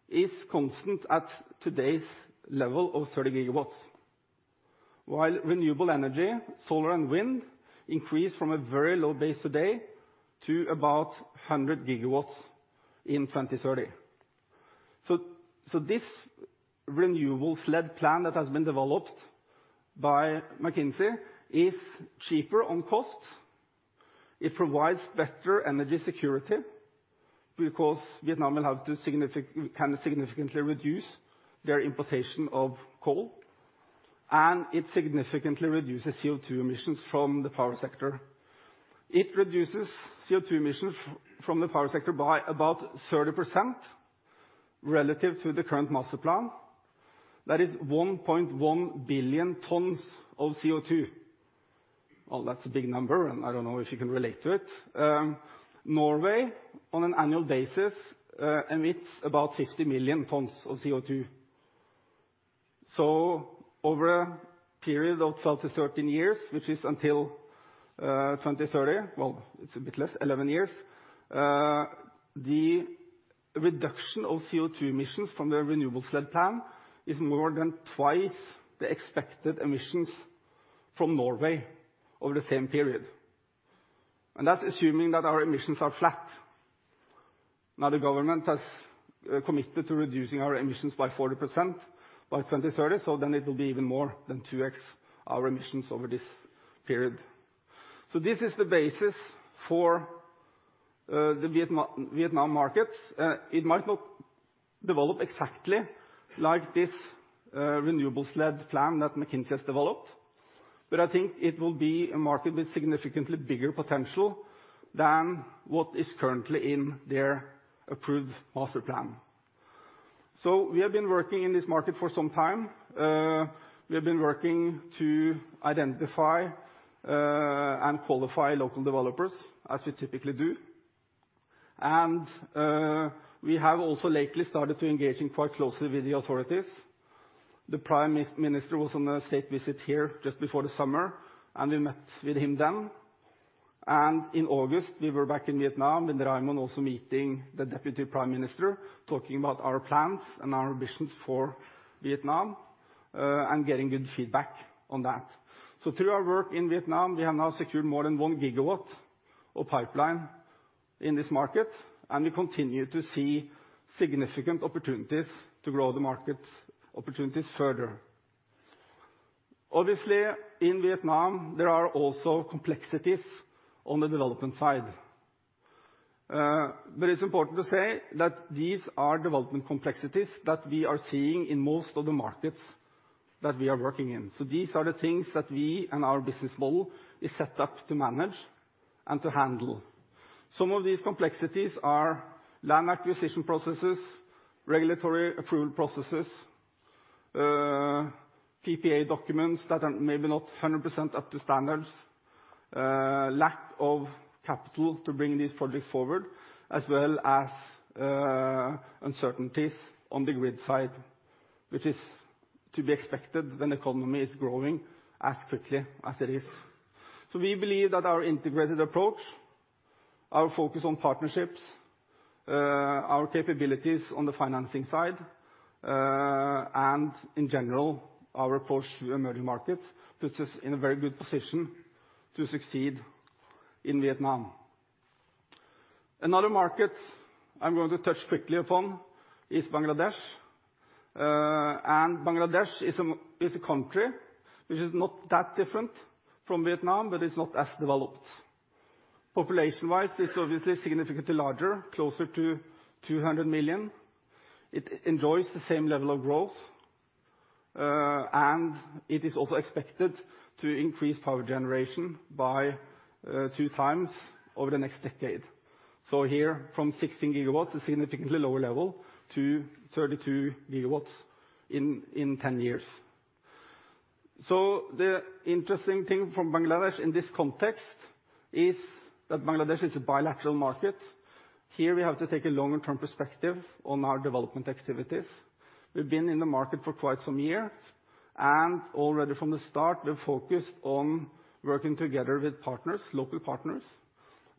is constant at today's level of 30 GW. While renewable energy, solar and wind increase from a very low base today to about 100 GW in 2030. This renewables-led plan that has been developed by McKinsey is cheaper on costs. It provides better energy security because Vietnam can significantly reduce their importation of coal, and it significantly reduces CO2 emissions from the power sector. It reduces CO2 emissions from the power sector by about 30% relative to the current master plan. That is 1.1 billion tons of CO2. That's a big number, and I don't know if you can relate to it. Norway, on an annual basis, emits about 50 million tons of CO2. Over a period of 12-13 years, which is until 2030, well, it's a bit less, 11 years, the reduction of CO2 emissions from the renewables-led plan is more than twice the expected emissions from Norway over the same period. That's assuming that our emissions are flat. The government has committed to reducing our emissions by 40% by 2030, it will be even more than 2x our emissions over this period. This is the basis for the Vietnam markets. It might not develop exactly like this renewables-led plan that McKinsey has developed, but I think it will be a market with significantly bigger potential than what is currently in their approved master plan. We have been working in this market for some time. We've been working to identify and qualify local developers, as we typically do. We have also lately started to engage in quite closely with the authorities. The Prime Minister was on a state visit here just before the summer, and we met with him then. In August, we were back in Vietnam with Raymond also meeting the Deputy Prime Minister, talking about our plans and our visions for Vietnam, and getting good feedback on that. Through our work in Vietnam, we have now secured more than 1 GW of pipeline in this market, and we continue to see significant opportunities to grow the market opportunities further. Obviously, in Vietnam, there are also complexities on the development side. It's important to say that these are development complexities that we are seeing in most of the markets that we are working in. These are the things that we and our business model is set up to manage and to handle. Some of these complexities are land acquisition processes, regulatory approval processes, PPA documents that are maybe not 100% up to standards, lack of capital to bring these projects forward, as well as uncertainties on the grid side, which is to be expected when the economy is growing as quickly as it is. We believe that our integrated approach, our focus on partnerships, our capabilities on the financing side, and in general, our approach to emerging markets puts us in a very good position to succeed in Vietnam. Another market I'm going to touch quickly upon is Bangladesh. Bangladesh is a country which is not that different from Vietnam, but it's not as developed. Population-wise, it's obviously significantly larger, closer to 200 million. It enjoys the same level of growth, and it is also expected to increase power generation by two times over the next decade. Here from 16 GW, a significantly lower level, to 32 GW in 10 years. The interesting thing from Bangladesh in this context is that Bangladesh is a bilateral market. Here we have to take a longer-term perspective on our development activities. We've been in the market for quite some years, and already from the start, we've focused on working together with local partners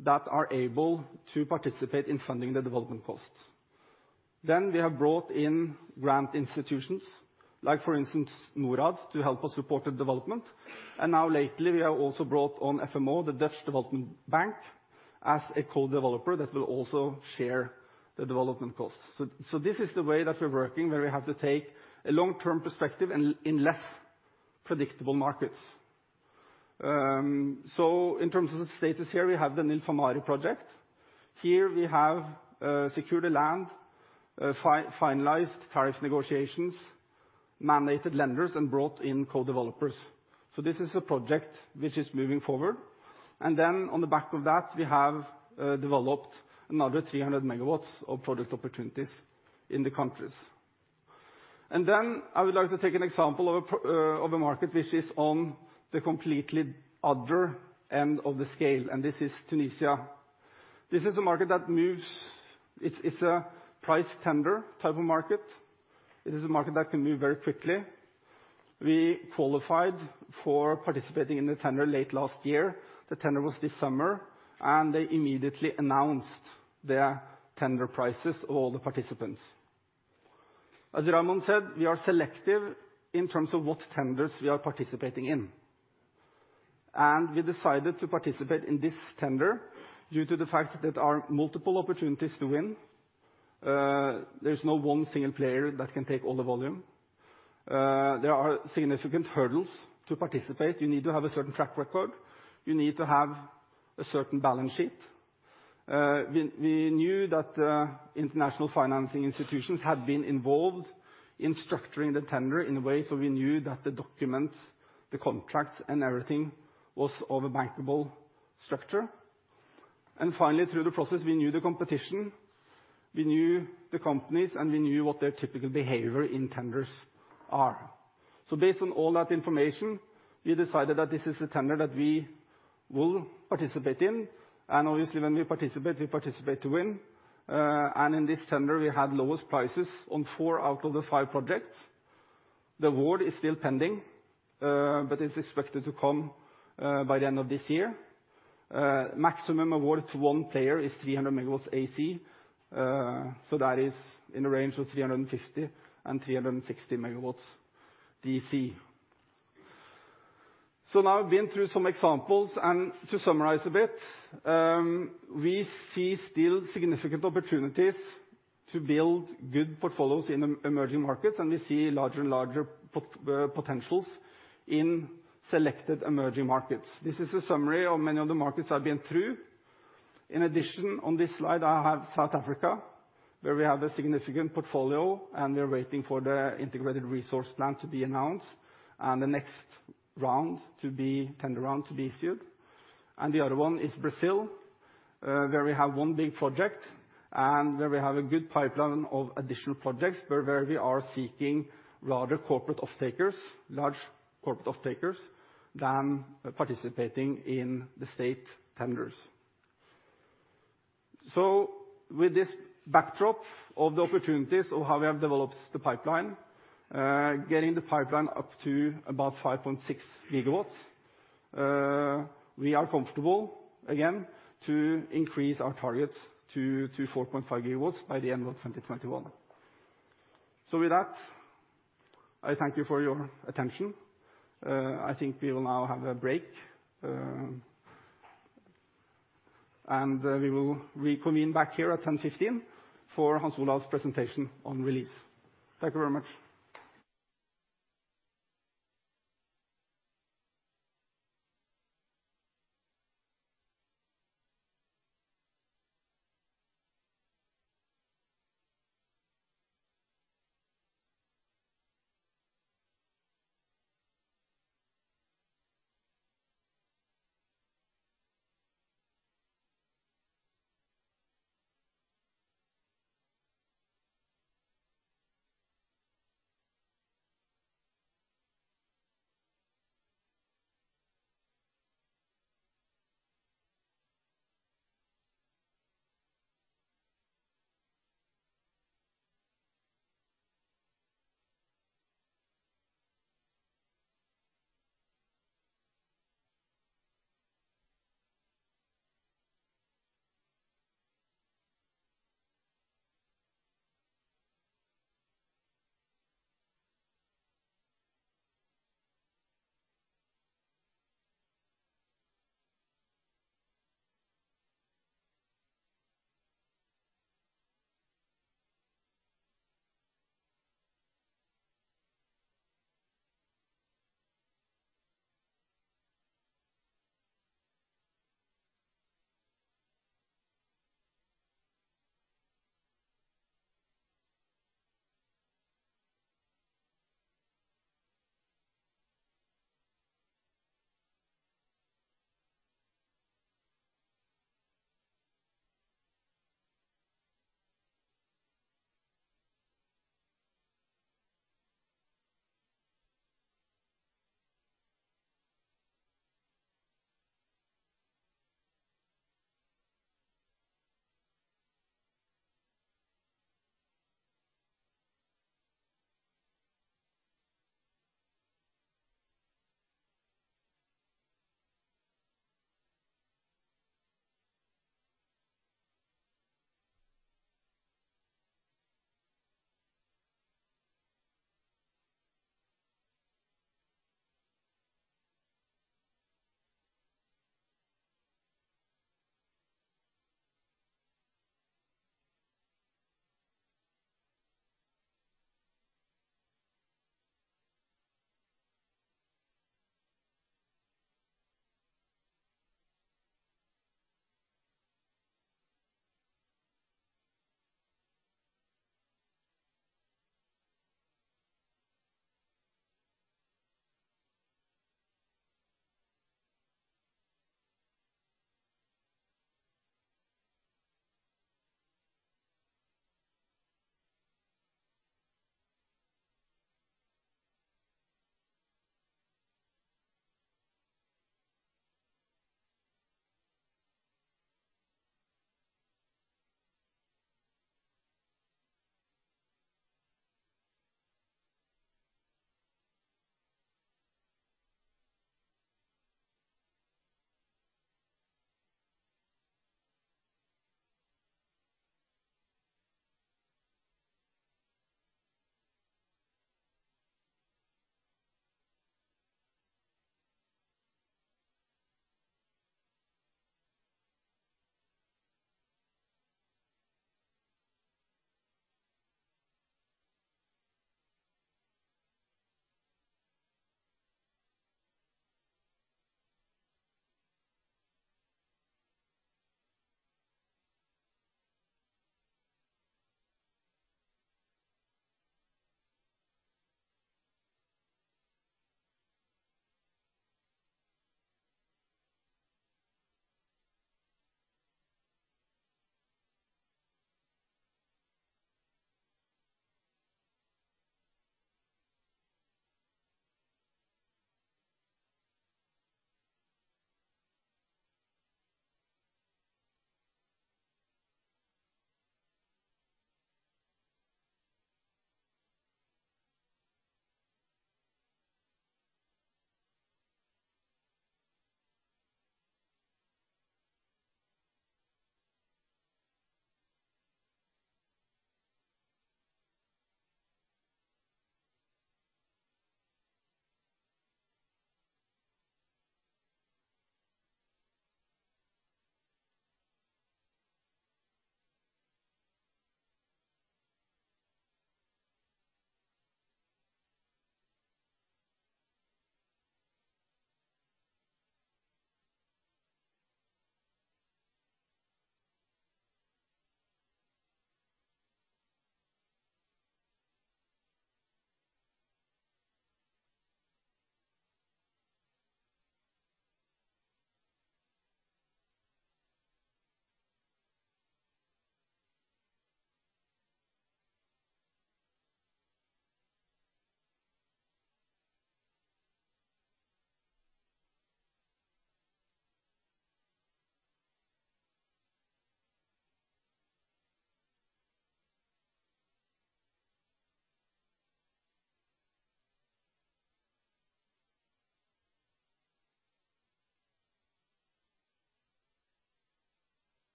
that are able to participate in funding the development costs. We have brought in grant institutions like, for instance, Norad, to help us support the development. Now lately, we have also brought on FMO, the Dutch Development Bank, as a co-developer that will also share the development costs. This is the way that we're working, where we have to take a long-term perspective in less predictable markets. In terms of the status here, we have the Nilphamari project. Here we have secured the land, finalized tariff negotiations, mandated lenders, and brought in co-developers. This is a project which is moving forward. Then on the back of that, we have developed another 300 MW of product opportunities in the country. Then I would like to take an example of a market which is on the completely other end of the scale, and this is Tunisia. This is a market that moves. It's a price tender type of market. It is a market that can move very quickly. We qualified for participating in the tender late last year. The tender was this summer, and they immediately announced their tender prices of all the participants. As Raymond said, we are selective in terms of what tenders we are participating in. We decided to participate in this tender due to the fact that there are multiple opportunities to win. There's no one single player that can take all the volume. There are significant hurdles to participate. You need to have a certain track record. You need to have a certain balance sheet. We knew that international financing institutions had been involved in structuring the tender in a way, so we knew that the documents, the contracts, and everything was of a bankable structure. Finally, through the process, we knew the competition, we knew the companies, and we knew what their typical behavior in tenders are. Based on all that information, we decided that this is a tender that we will participate in. Obviously, when we participate, we participate to win. In this tender, we had lowest prices on four out of the five projects. The award is still pending, but it's expected to come by the end of this year. Maximum award to one player is 300 MW AC. That is in the range of 350 MW and 360 MW DC. Now we've been through some examples, and to summarize a bit, we see still significant opportunities to build good portfolios in emerging markets, and we see larger potentials in selected emerging markets. This is a summary of many of the markets I've been through. In addition, on this slide, I have South Africa, where we have a significant portfolio, and we're waiting for the integrated resource plan to be announced and the next tender round to be issued. The other one is Brazil, where we have one big project and where we have a good pipeline of additional projects where we are seeking larger corporate off-takers than participating in the state tenders. With this backdrop of the opportunities of how we have developed the pipeline, getting the pipeline up to about 5.6 gigawatts, we are comfortable again to increase our targets to 4.5 gigawatts by the end of 2021. With that, I thank you for your attention. I think we will now have a break. We will reconvene back here at 10:15 for Hans Olav's presentation on Release. Thank you very much.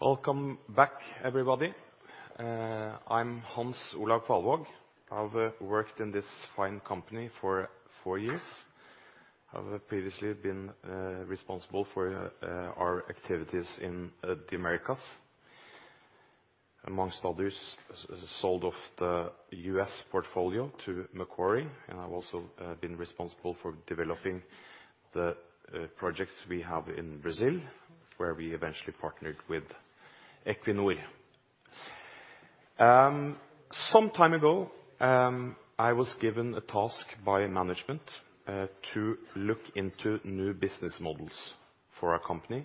Welcome back, everybody. I'm Hans Olav Kvalvaag. I've worked in this fine company for four years. I've previously been responsible for our activities in the Americas. Amongst others, sold off the U.S. portfolio to Macquarie. I've also been responsible for developing the projects we have in Brazil, where we eventually partnered with Equinor. Some time ago, I was given a task by management to look into new business models for our company,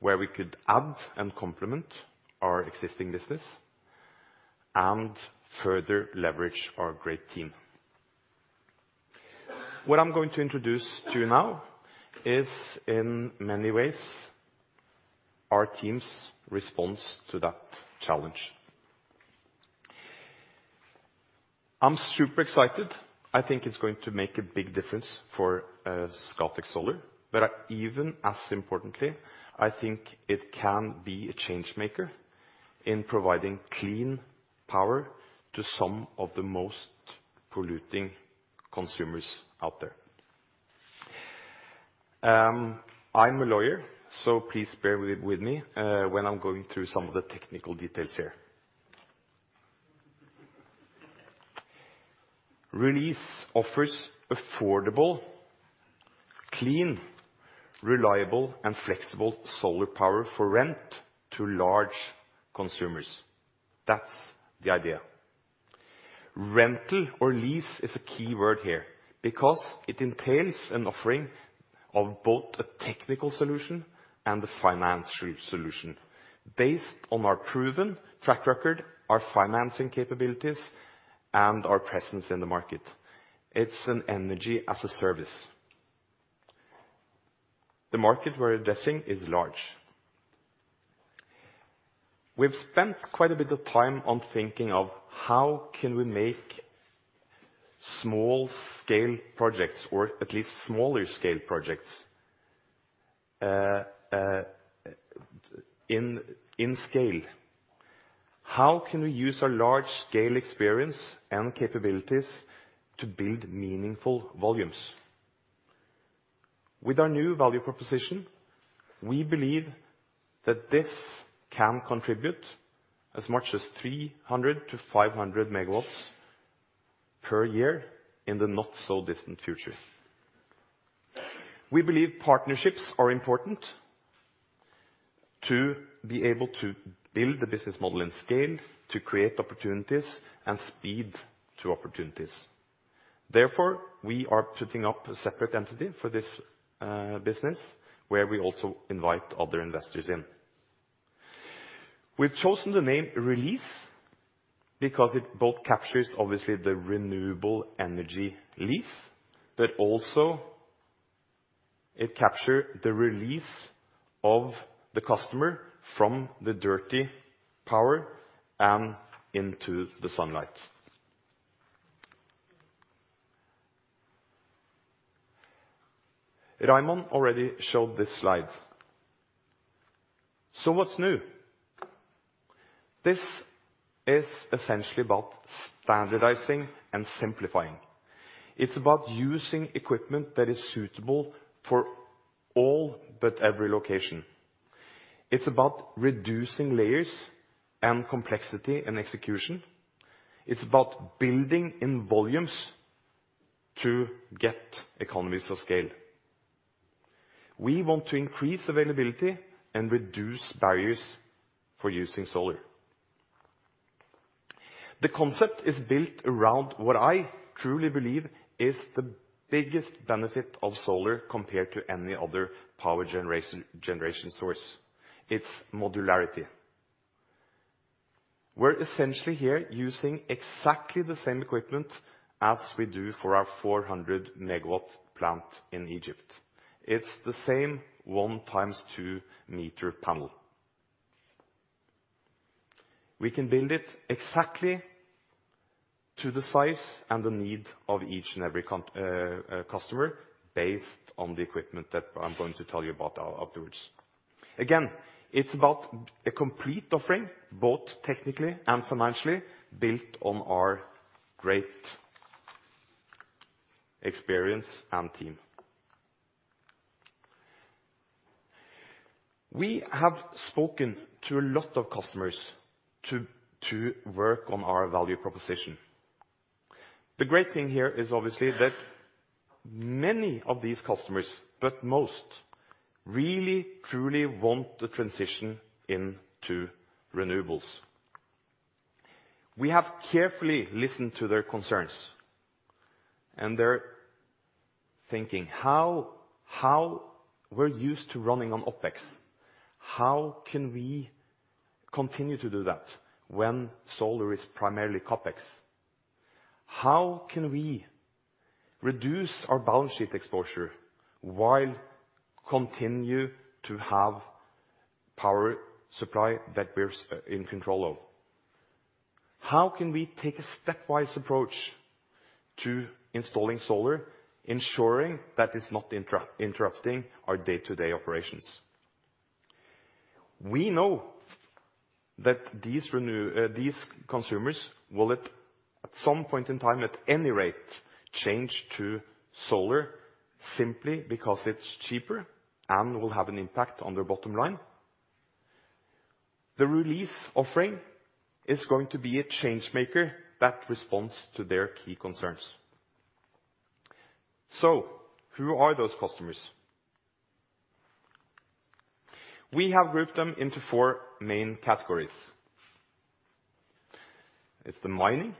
where we could add and complement our existing business and further leverage our great team. What I'm going to introduce to you now is, in many ways, our team's response to that challenge. I'm super excited. I think it's going to make a big difference for Scatec Solar, but even as importantly, I think it can be a change maker in providing clean power to some of the most polluting consumers out there. I'm a lawyer, so please bear with me when I'm going through some of the technical details here. Release offers affordable, clean, reliable, and flexible solar power for rent to large consumers. That's the idea. Rental or lease is a key word here because it entails an offering of both a technical solution and a financial solution based on our proven track record, our financing capabilities, and our presence in the market. It's an energy as a service. The market we're addressing is large. We've spent quite a bit of time on thinking of how can we make small scale projects, or at least smaller scale projects, in scale. How can we use our large scale experience and capabilities to build meaningful volumes? With our new value proposition, we believe that this can contribute as much as 300-500 MW per year in the not-so-distant future. We believe partnerships are important to be able to build the business model and scale to create opportunities and speed to opportunities. We are putting up a separate entity for this business where we also invite other investors in. We've chosen the name Release because it both captures obviously the renewable energy lease, also it capture the release of the customer from the dirty power and into the sunlight. Raymond already showed this slide. What's new? This is essentially about standardizing and simplifying. It's about using equipment that is suitable for all but every location. It's about reducing layers and complexity and execution. It's about building in volumes to get economies of scale. We want to increase availability and reduce barriers for using solar. The concept is built around what I truly believe is the biggest benefit of solar compared to any other power generation source. It's modularity. We're essentially here using exactly the same equipment as we do for our 400 MW plant in Egypt. It's the same one times two meter panel. We can build it exactly to the size and the need of each and every customer based on the equipment that I'm going to tell you about afterwards. Again, it's about a complete offering, both technically and financially, built on our great experience and team. We have spoken to a lot of customers to work on our value proposition. The great thing here is obviously that many of these customers, but most really truly want the transition into renewables. We have carefully listened to their concerns, and they're thinking how we're used to running on OpEx. How can we continue to do that when solar is primarily CapEx? How can we reduce our balance sheet exposure while continue to have power supply that we're in control of? How can we take a stepwise approach to installing solar, ensuring that it's not interrupting our day-to-day operations? We know that these consumers will at some point in time, at any rate, change to solar simply because it's cheaper and will have an impact on their bottom line. The Release offering is going to be a change maker that responds to their key concerns. Who are those customers? We have grouped them into 4 main categories. It's the mining.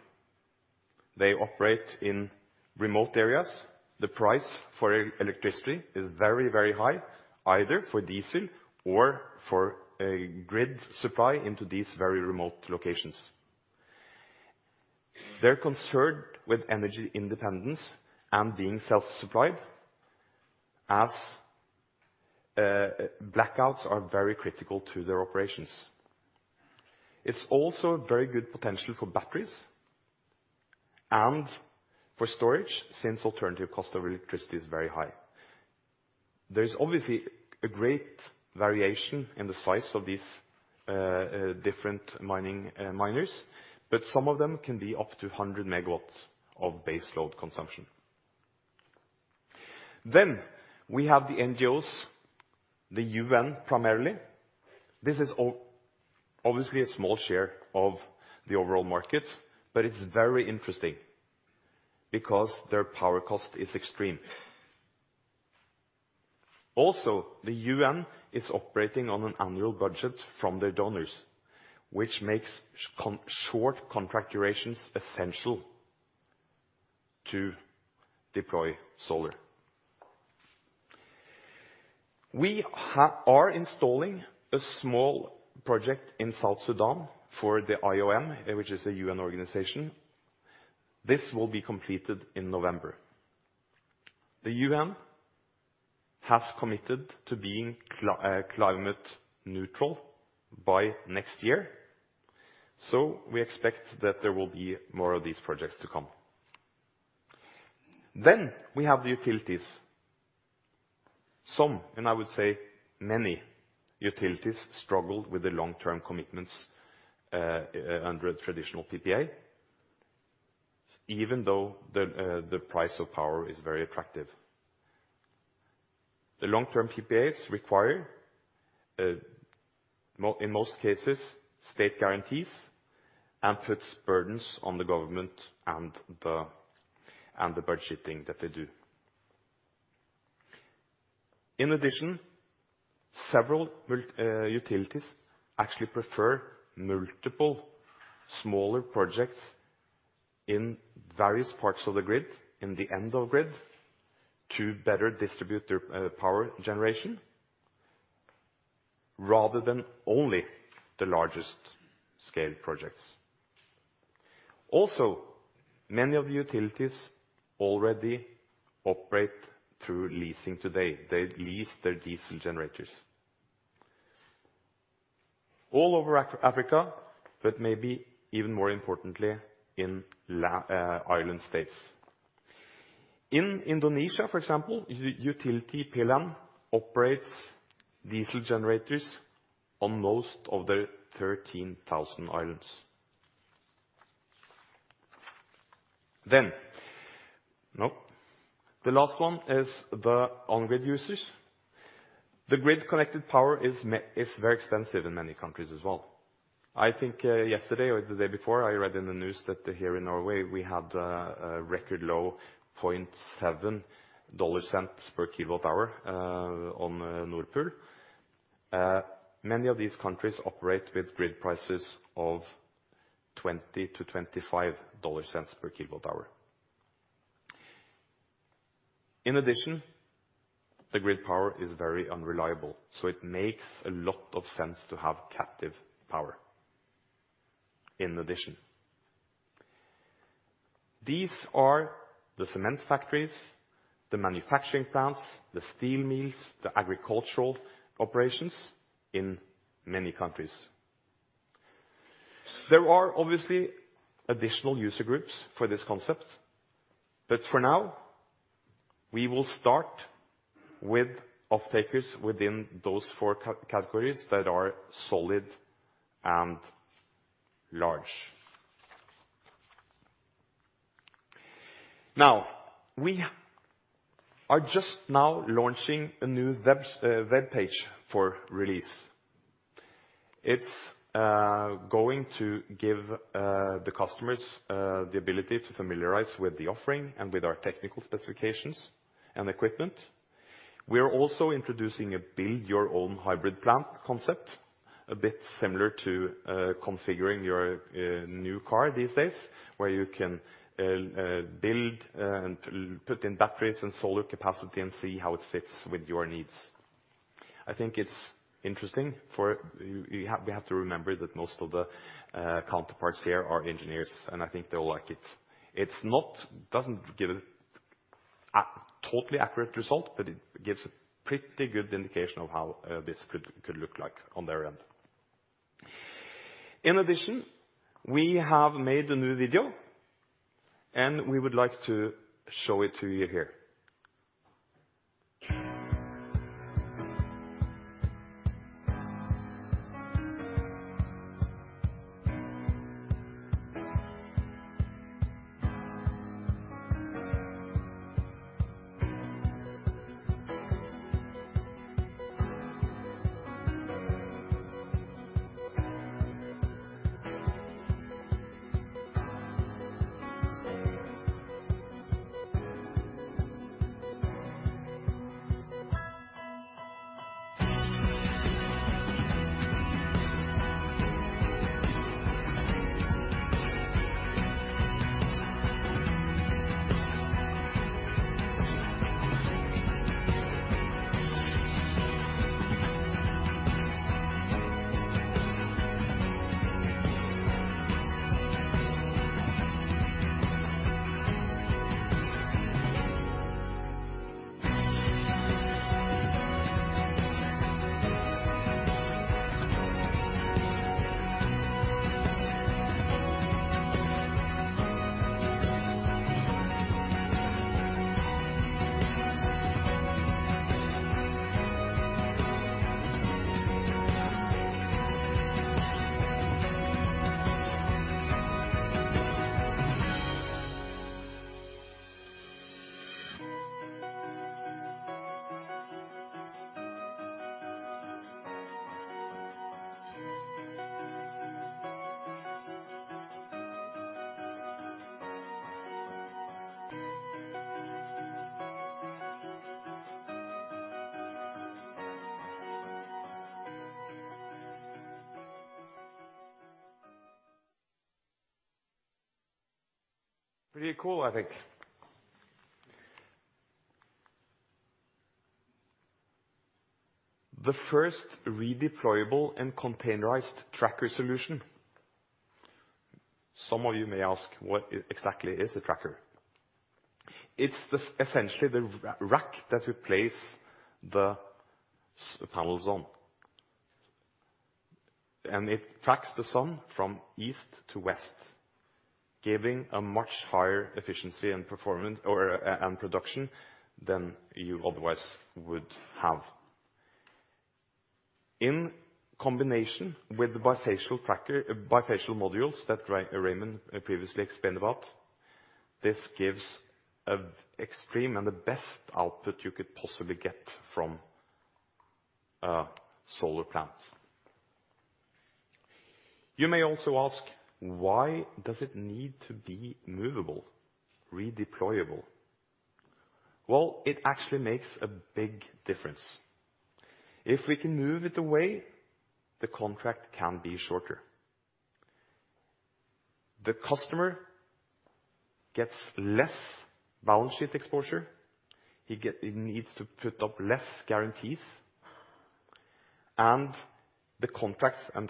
They operate in remote areas. The price for electricity is very high, either for diesel or for a grid supply into these very remote locations. They're concerned with energy independence and being self-supplied as blackouts are very critical to their operations. It's also very good potential for batteries and for storage, since alternative cost of electricity is very high. There is obviously a great variation in the size of these different miners, but some of them can be up to 100 MW of base load consumption. We have the NGOs, the UN primarily. This is obviously a small share of the overall market, but it's very interesting because their power cost is extreme. Also, the UN is operating on an annual budget from their donors, which makes short contract durations essential to deploy solar. We are installing a small project in South Sudan for the IOM, which is a UN organization. This will be completed in November. The UN has committed to being climate neutral by next year, so we expect that there will be more of these projects to come. We have the utilities. Some, I would say many utilities struggle with the long-term commitments under a traditional PPA even though the price of power is very attractive. The long-term PPAs require in most cases, state guarantees and puts burdens on the government and the budgeting that they do. In addition, several utilities actually prefer multiple smaller projects in various parts of the grid, in the end of grid to better distribute their power generation rather than only the largest scale projects. Many of the utilities already operate through leasing today. They lease their diesel generators all over Africa, maybe even more importantly in island states. In Indonesia, for example, utility PLN operates diesel generators on most of the 13,000 islands. No. The last one is the on-grid users. The grid connected power is very expensive in many countries as well. I think yesterday or the day before, I read in the news that here in Norway we had a record low $0.007 per kilowatt hour on Nord Pool. Many of these countries operate with grid prices of $0.20 to $0.25 per kilowatt hour. In addition, the grid power is very unreliable, so it makes a lot of sense to have captive power. In addition. These are the cement factories, the manufacturing plants, the steel mills, the agricultural operations in many countries. There are obviously additional user groups for this concept, but for now, we will start with off-takers within those four categories that are solid and large. Now, we are just now launching a new webpage for Release. It's going to give the customers the ability to familiarize with the offering and with our technical specifications and equipment. We are also introducing a build your own hybrid plant concept, a bit similar to configuring your new car these days, where you can build and put in batteries and solar capacity and see how it fits with your needs. I think it's interesting. We have to remember that most of the counterparts here are engineers, and I think they'll like it. It doesn't give a totally accurate result, but it gives a pretty good indication of how this could look like on their end. In addition, we have made a new video, and we would like to show it to you here. Pretty cool, I think. The first redeployable and containerized tracker solution. Some of you may ask, what exactly is a tracker? It's essentially the rack that we place the panels on. It tracks the sun from east to west, giving a much higher efficiency and production than you otherwise would have. In combination with the bifacial modules that Raymond previously explained about, this gives an extreme and the best output you could possibly get from solar plants. You may also ask, why does it need to be movable? Redeployable? Well, it actually makes a big difference. If we can move it away, the contract can be shorter. The customer gets less balance sheet exposure. It needs to put up less guarantees, and the contracts, and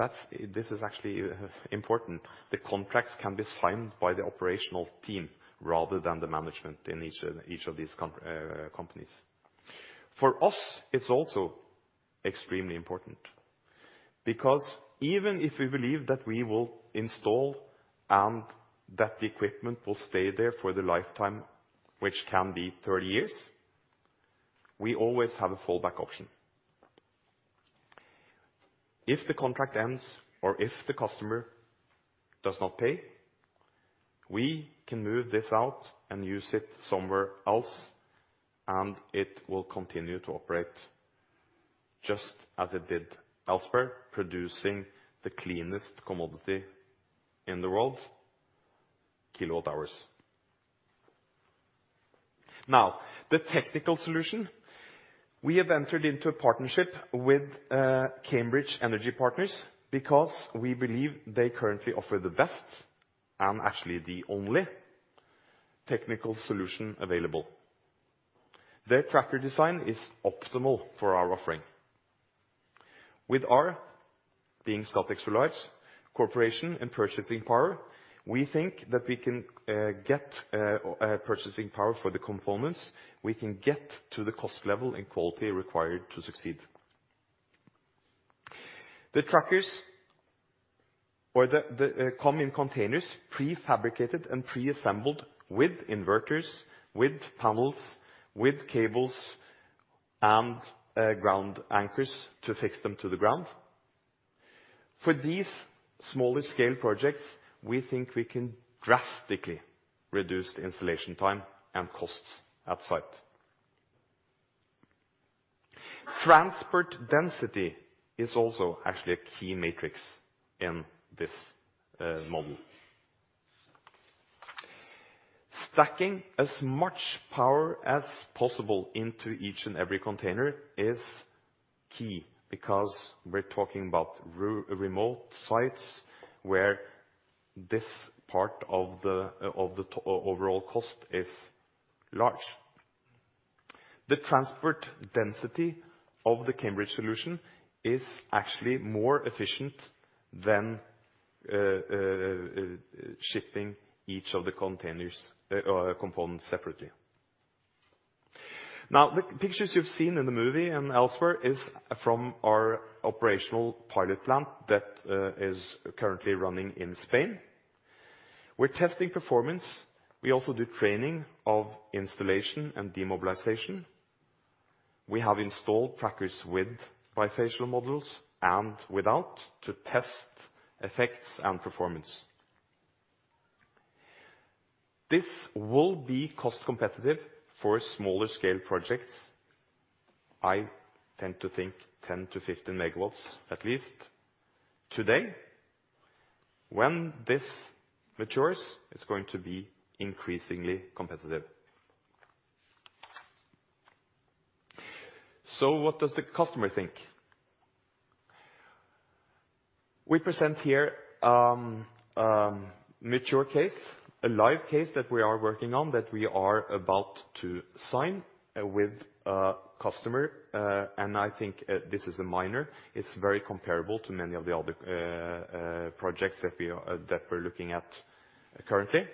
this is actually important, the contracts can be signed by the operational team rather than the management in each of these companies. For us, it's also extremely important because even if we believe that we will install and that the equipment will stay there for the lifetime, which can be 30 years, we always have a fallback option. If the contract ends or if the customer does not pay, we can move this out and use it somewhere else, and it will continue to operate just as it did elsewhere, producing the cleanest commodity in the world, kilowatt hours. We have entered into a partnership with Cambridge Energy Partners because we believe they currently offer the best, and actually the only, technical solution available. Their tracker design is optimal for our offering. With our, being Scatec Solar's, corporation and purchasing power, we think that we can get purchasing power for the components. We can get to the cost level and quality required to succeed. The trackers come in containers, prefabricated and preassembled with inverters, with panels, with cables, and ground anchors to fix them to the ground. For these smaller scale projects, we think we can drastically reduce the installation time and costs at site. Transport density is also actually a key matrix in this model. Stacking as much power as possible into each and every container is key because we're talking about remote sites where this part of the overall cost is large. The transport density of the Cambridge solution is actually more efficient than shipping each of the components separately. Now, the pictures you've seen in the movie and elsewhere is from our operational pilot plant that is currently running in Spain. We're testing performance. We also do training of installation and demobilization. We have installed trackers with bifacial modules and without, to test effects and performance. This will be cost competitive for smaller scale projects. I tend to think 10-15 MW at least today. When this matures, it's going to be increasingly competitive. What does the customer think? We present here a mature case, a live case that we are working on, that we are about to sign with a customer, and I think this is a minor. It's very comparable to many of the other projects that we're looking at currently.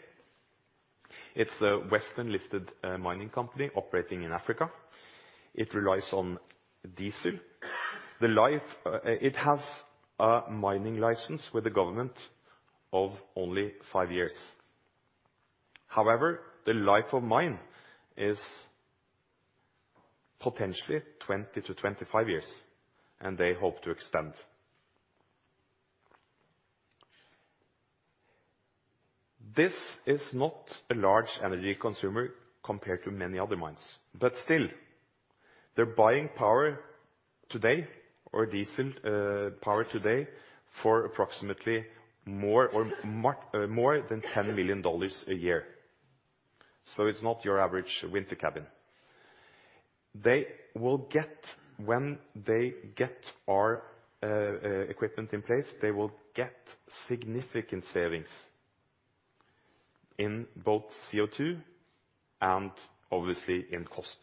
It's a Western-listed mining company operating in Africa. It relies on diesel. It has a mining license with the government of only five years. However, the life of mine is potentially 20-25 years, and they hope to extend. This is not a large energy consumer compared to many other mines. Still, they're buying power today, or diesel power today, for approximately more than $10 million a year. It's not your average winter cabin. When they get our equipment in place, they will get significant savings in both CO2 and obviously in cost.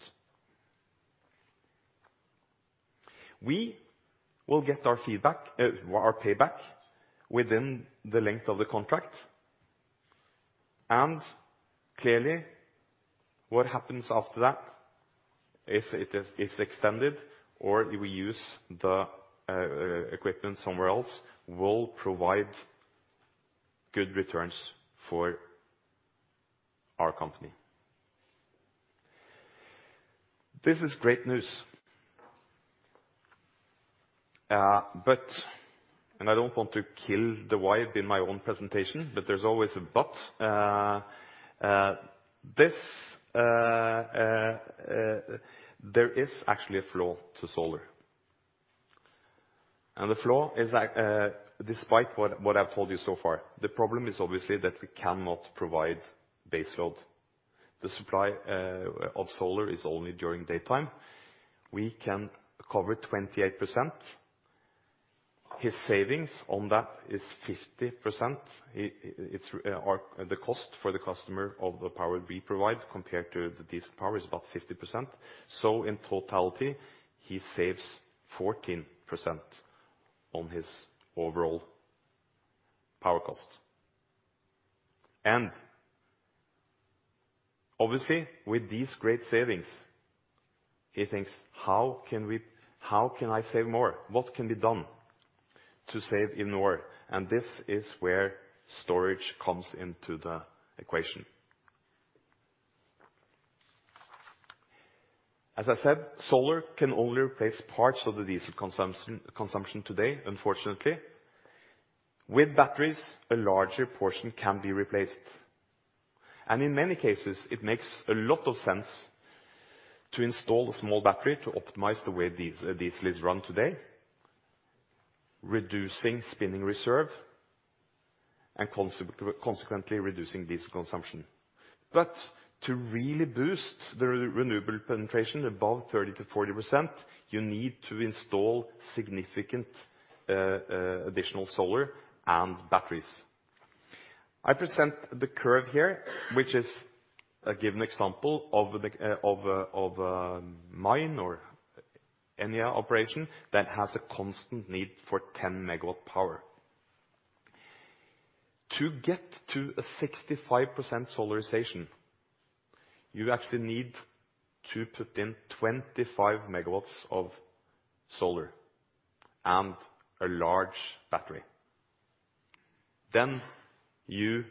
We will get our payback within the length of the contract. Clearly, what happens after that, if it is extended or we use the equipment somewhere else, will provide good returns for our company. This is great news. I don't want to kill the vibe in my own presentation, but there's always a but. There is actually a flaw to solar. The flaw is that despite what I've told you so far, the problem is obviously that we cannot provide base load. The supply of solar is only during daytime. We can cover 28%. His savings on that is 50%. The cost for the customer of the power we provide compared to the diesel power is about 50%. In totality, he saves 14% on his overall power cost. Obviously, with these great savings, he thinks, "How can I save more? What can be done to save even more?" This is where storage comes into the equation. As I said, solar can only replace parts of the diesel consumption today, unfortunately. With batteries, a larger portion can be replaced. In many cases, it makes a lot of sense to install a small battery to optimize the way diesel is run today, reducing spinning reserve and consequently reducing diesel consumption. To really boost the renewable penetration above 30%-40%, you need to install significant additional solar and batteries. I present the curve here, which is a given example of mine or any operation that has a constant need for 10 MW power. To get to a 65% solarization, you actually need to put in 25 MW of solar and a large battery. You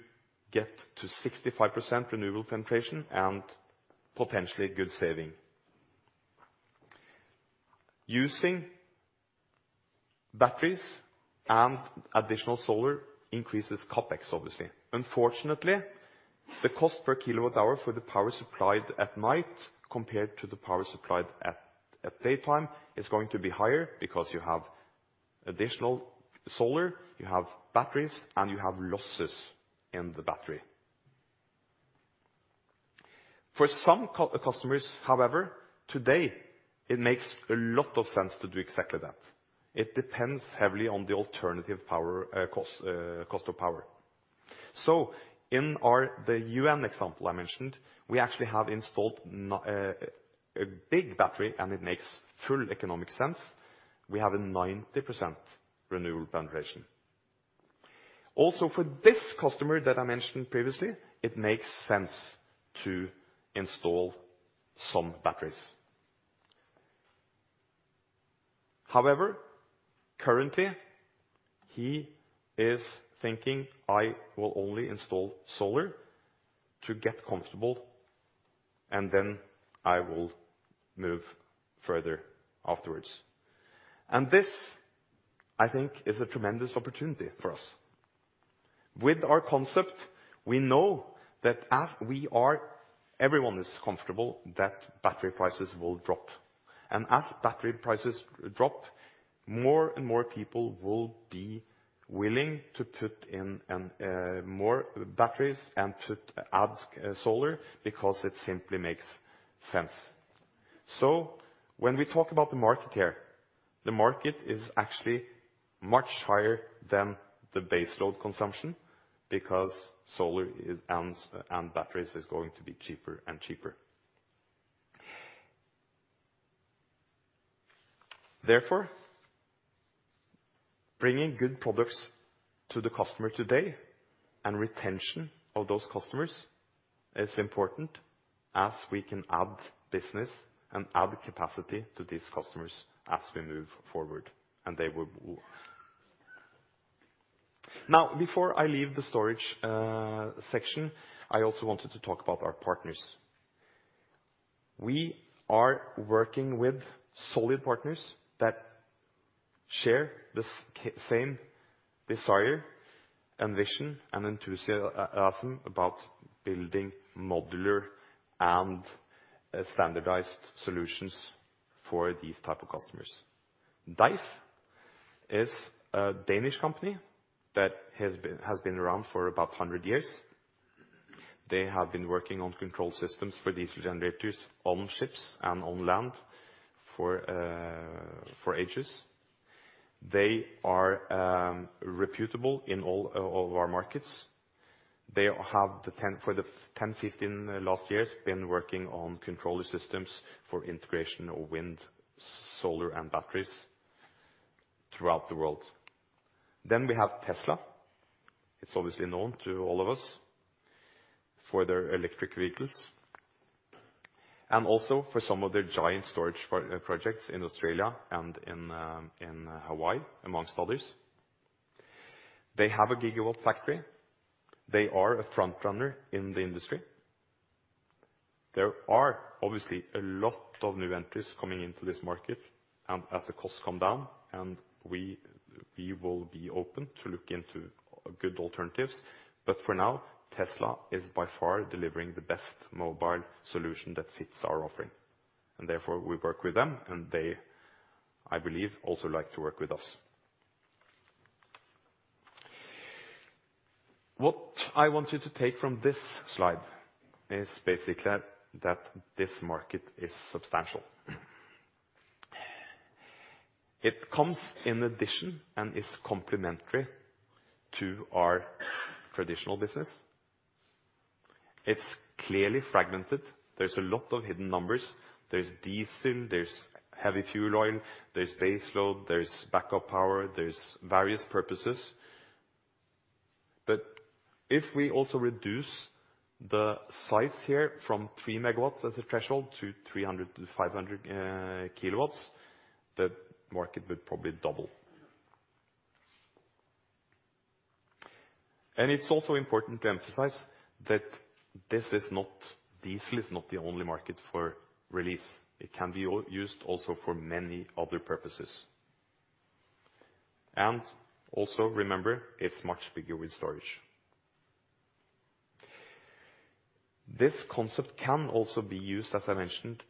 get to 65% renewable penetration and potentially good saving. Using batteries and additional solar increases CapEx, obviously. Unfortunately, the cost per kilowatt hour for the power supplied at night compared to the power supplied at daytime is going to be higher because you have additional solar, you have batteries, and you have losses in the battery. For some customers, however, today it makes a lot of sense to do exactly that. It depends heavily on the alternative cost of power. In the UN example I mentioned, we actually have installed a big battery, and it makes full economic sense. We have a 90% renewable penetration. Also for this customer that I mentioned previously, it makes sense to install some batteries. Currently he is thinking, "I will only install solar to get comfortable, and then I will move further afterwards." This, I think, is a tremendous opportunity for us. With our concept, we know that as everyone is comfortable that battery prices will drop. As battery prices drop, more and more people will be willing to put in more batteries and add solar because it simply makes sense. When we talk about the market here, the market is actually much higher than the base load consumption because solar and batteries is going to be cheaper and cheaper. Therefore, bringing good products to the customer today and retention of those customers is important as we can add business and add capacity to these customers as we move forward. Before I leave the storage section, I also wanted to talk about our partners. We are working with solid partners that share the same desire and vision and enthusiasm about building modular and standardized solutions for these type of customers. DEIF is a Danish company that has been around for about 100 years. They have been working on control systems for diesel generators on ships and on land for ages. They are reputable in all of our markets. They have, for the 10, 15 last years, been working on controller systems for integration of wind, solar, and batteries throughout the world. We have Tesla. It's obviously known to all of us for their electric vehicles and also for some of their giant storage projects in Australia and in Hawaii, amongst others. They have a gigawatt factory. They are a front-runner in the industry. There are obviously a lot of new entries coming into this market as the costs come down, and we will be open to look into good alternatives. For now, Tesla is by far delivering the best mobile solution that fits our offering. Therefore, we work with them, and they, I believe, also like to work with us. What I want you to take from this slide is basically that this market is substantial. It comes in addition and is complementary to our traditional business. It's clearly fragmented. There's a lot of hidden numbers. There's diesel, there's heavy fuel oil, there's base load, there's backup power, there's various purposes. If we also reduce the size here from three MW as a threshold to 300 to 500 kW, the market would probably double. It's also important to emphasize that diesel is not the only market for Release. It can be used also for many other purposes. Also remember, it's much bigger with storage. This concept can also be used, as I mentioned.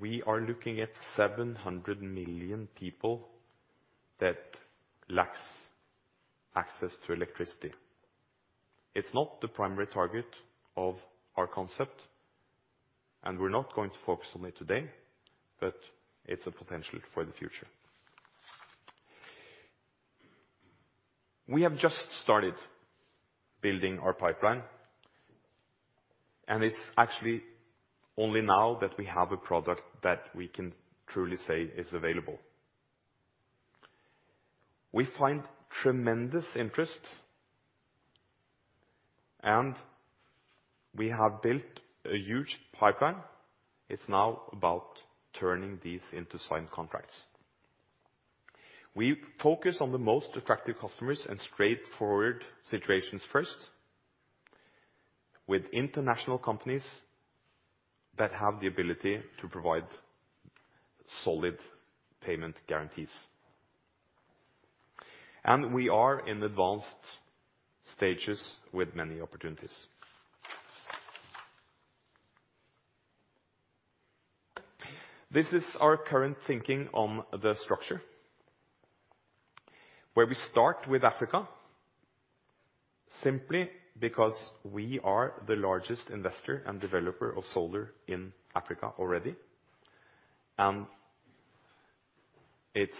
We are looking at 700 million people that lack access to electricity. It's not the primary target of our concept. We're not going to focus on it today, but it's a potential for the future. We have just started building our pipeline. It's actually only now that we have a product that we can truly say is available. We find tremendous interest. We have built a huge pipeline. It's now about turning these into signed contracts. We focus on the most attractive customers and straightforward situations first, with international companies that have the ability to provide solid payment guarantees. We are in advanced stages with many opportunities. This is our current thinking on the structure, where we start with Africa, simply because we are the largest investor and developer of solar in Africa already, and it's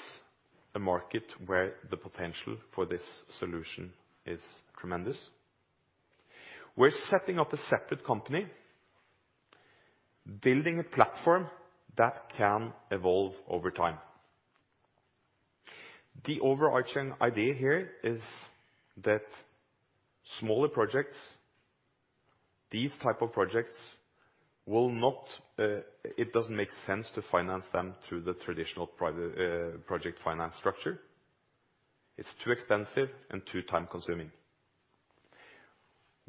a market where the potential for this solution is tremendous. We're setting up a separate company, building a platform that can evolve over time. The overarching idea here is that smaller projects, these type of projects, it doesn't make sense to finance them through the traditional project finance structure. It's too expensive and too time-consuming.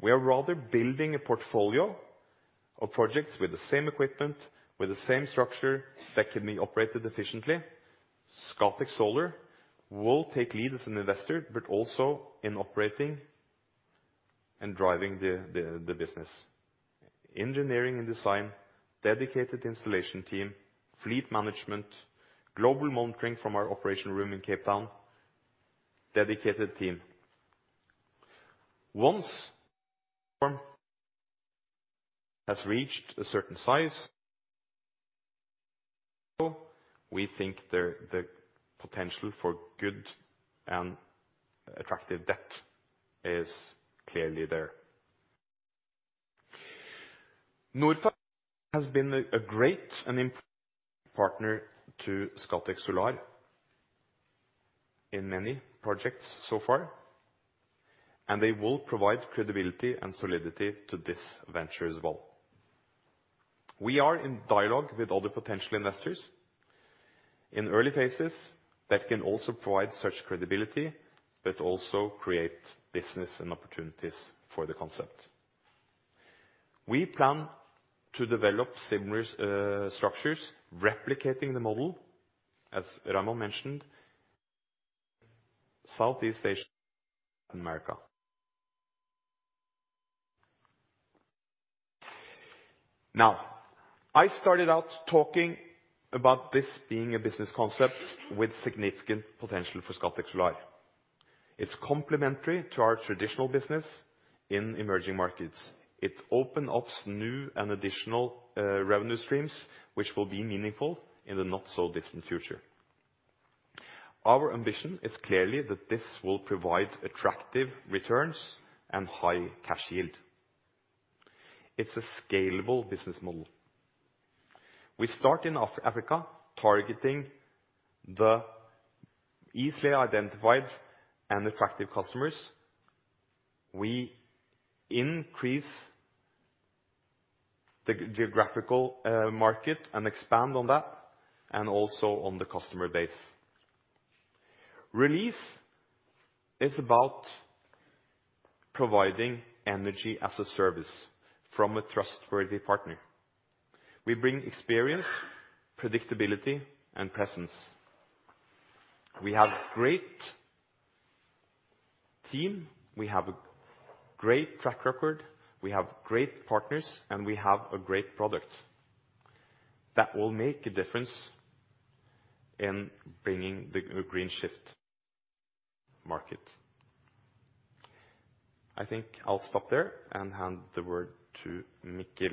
We are rather building a portfolio of projects with the same equipment, with the same structure that can be operated efficiently. Scatec Solar will take lead as an investor, but also in operating and driving the business. Engineering and design, dedicated installation team, fleet management, global monitoring from our operation room in Cape Town, dedicated team. Once firm has reached a certain size, we think the potential for good and attractive debt is clearly there. Norfund has been a great and important partner to Scatec Solar in many projects so far, and they will provide credibility and solidity to this venture as well. We are in dialogue with other potential investors in early phases that can also provide such credibility but also create business and opportunities for the concept. We plan to develop similar structures, replicating the model, as Raymond mentioned, Southeast Asia and America. I started out talking about this being a business concept with significant potential for Scatec Solar. It's complementary to our traditional business in emerging markets. It opens up new and additional revenue streams, which will be meaningful in the not so distant future. Our ambition is clearly that this will provide attractive returns and high cash yield. It's a scalable business model. We start in Africa, targeting the easily identified and attractive customers. We increase the geographical market and expand on that and also on the customer base. Release is about providing energy as a service from a trustworthy partner. We bring experience, predictability, and presence. We have a great team, we have a great track record, we have great partners, and we have a great product that will make a difference in bringing the green shift market. I think I'll stop there and hand the word to Mikkel.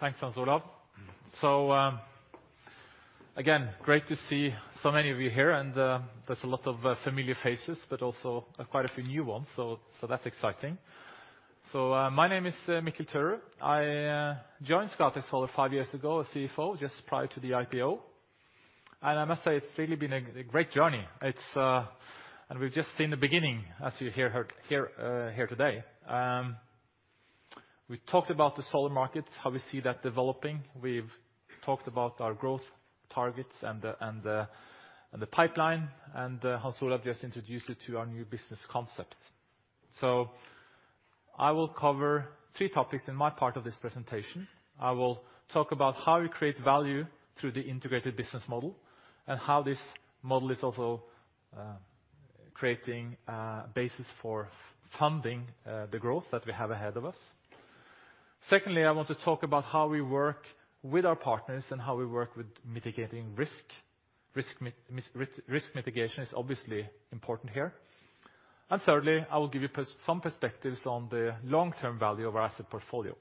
Thanks, Hans Olav. Again, great to see so many of you here, and there's a lot of familiar faces, but also quite a few new ones. That's exciting. My name is Mikkel Tørud. I joined Scatec Solar five years ago as CFO just prior to the IPO. I must say it's really been a great journey. We've just seen the beginning, as you heard here today. We talked about the solar market, how we see that developing. We've talked about our growth targets and the pipeline, and Hans Olav just introduced you to our new business concept. I will cover three topics in my part of this presentation. I will talk about how we create value through the integrated business model and how this model is also creating a basis for funding the growth that we have ahead of us. Secondly, I want to talk about how we work with our partners and how we work with mitigating risk. Risk mitigation is obviously important here. Thirdly, I will give you some perspectives on the long-term value of our asset portfolio.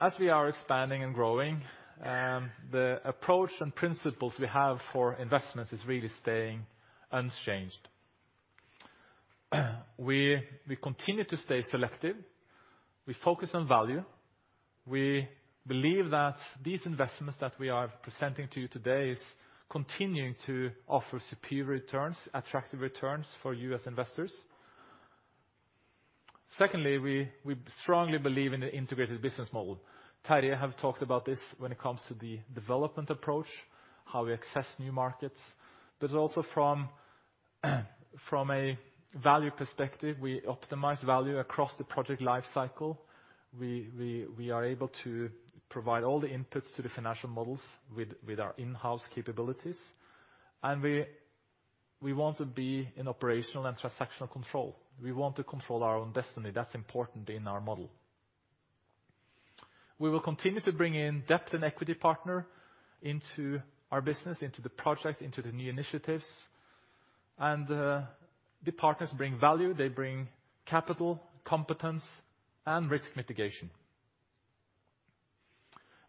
As we are expanding and growing, the approach and principles we have for investments is really staying unchanged. We continue to stay selective. We focus on value. We believe that these investments that we are presenting to you today is continuing to offer superior returns, attractive returns for you as investors. Secondly, we strongly believe in the integrated business model. Terje have talked about this when it comes to the development approach, how we access new markets. Also from a value perspective, we optimize value across the project life cycle. We are able to provide all the inputs to the financial models with our in-house capabilities. We want to be in operational and transactional control. We want to control our own destiny. That's important in our model. We will continue to bring in debt and equity partner into our business, into the project, into the new initiatives. The partners bring value. They bring capital, competence, and risk mitigation.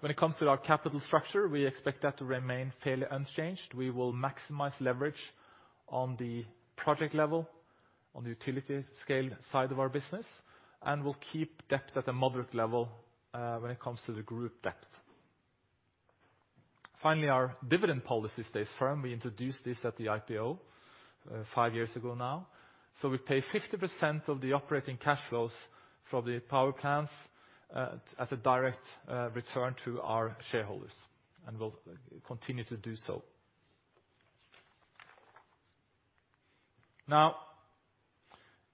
When it comes to our capital structure, we expect that to remain fairly unchanged. We will maximize leverage on the project level, on the utility scale side of our business, and we'll keep debt at a moderate level when it comes to the group debt. Finally, our dividend policy stays firm. We introduced this at the IPO five years ago now. We pay 50% of the operating cash flows from the power plants, as a direct return to our shareholders, and will continue to do so.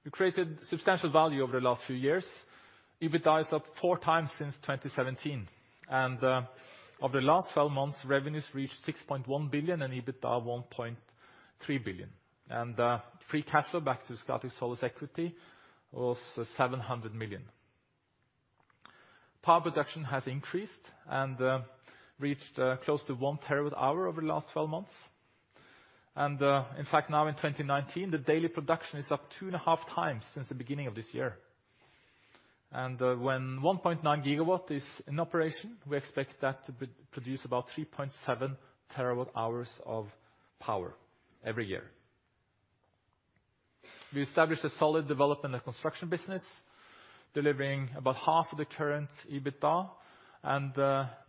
We created substantial value over the last few years. EBITDA is up four times since 2017. Over the last 12 months, revenues reached 6.1 billion in EBITDA, 1.3 billion. Free cash flow back to Scatec Solar's equity was 700 million. Power production has increased and reached close to one terawatt hour over the last 12 months. In fact, now in 2019, the daily production is up two and a half times since the beginning of this year. When 1.9 gigawatt is in operation, we expect that to produce about 3.7 terawatt hours of power every year. We established a solid development and construction business, delivering about half of the current EBITDA, and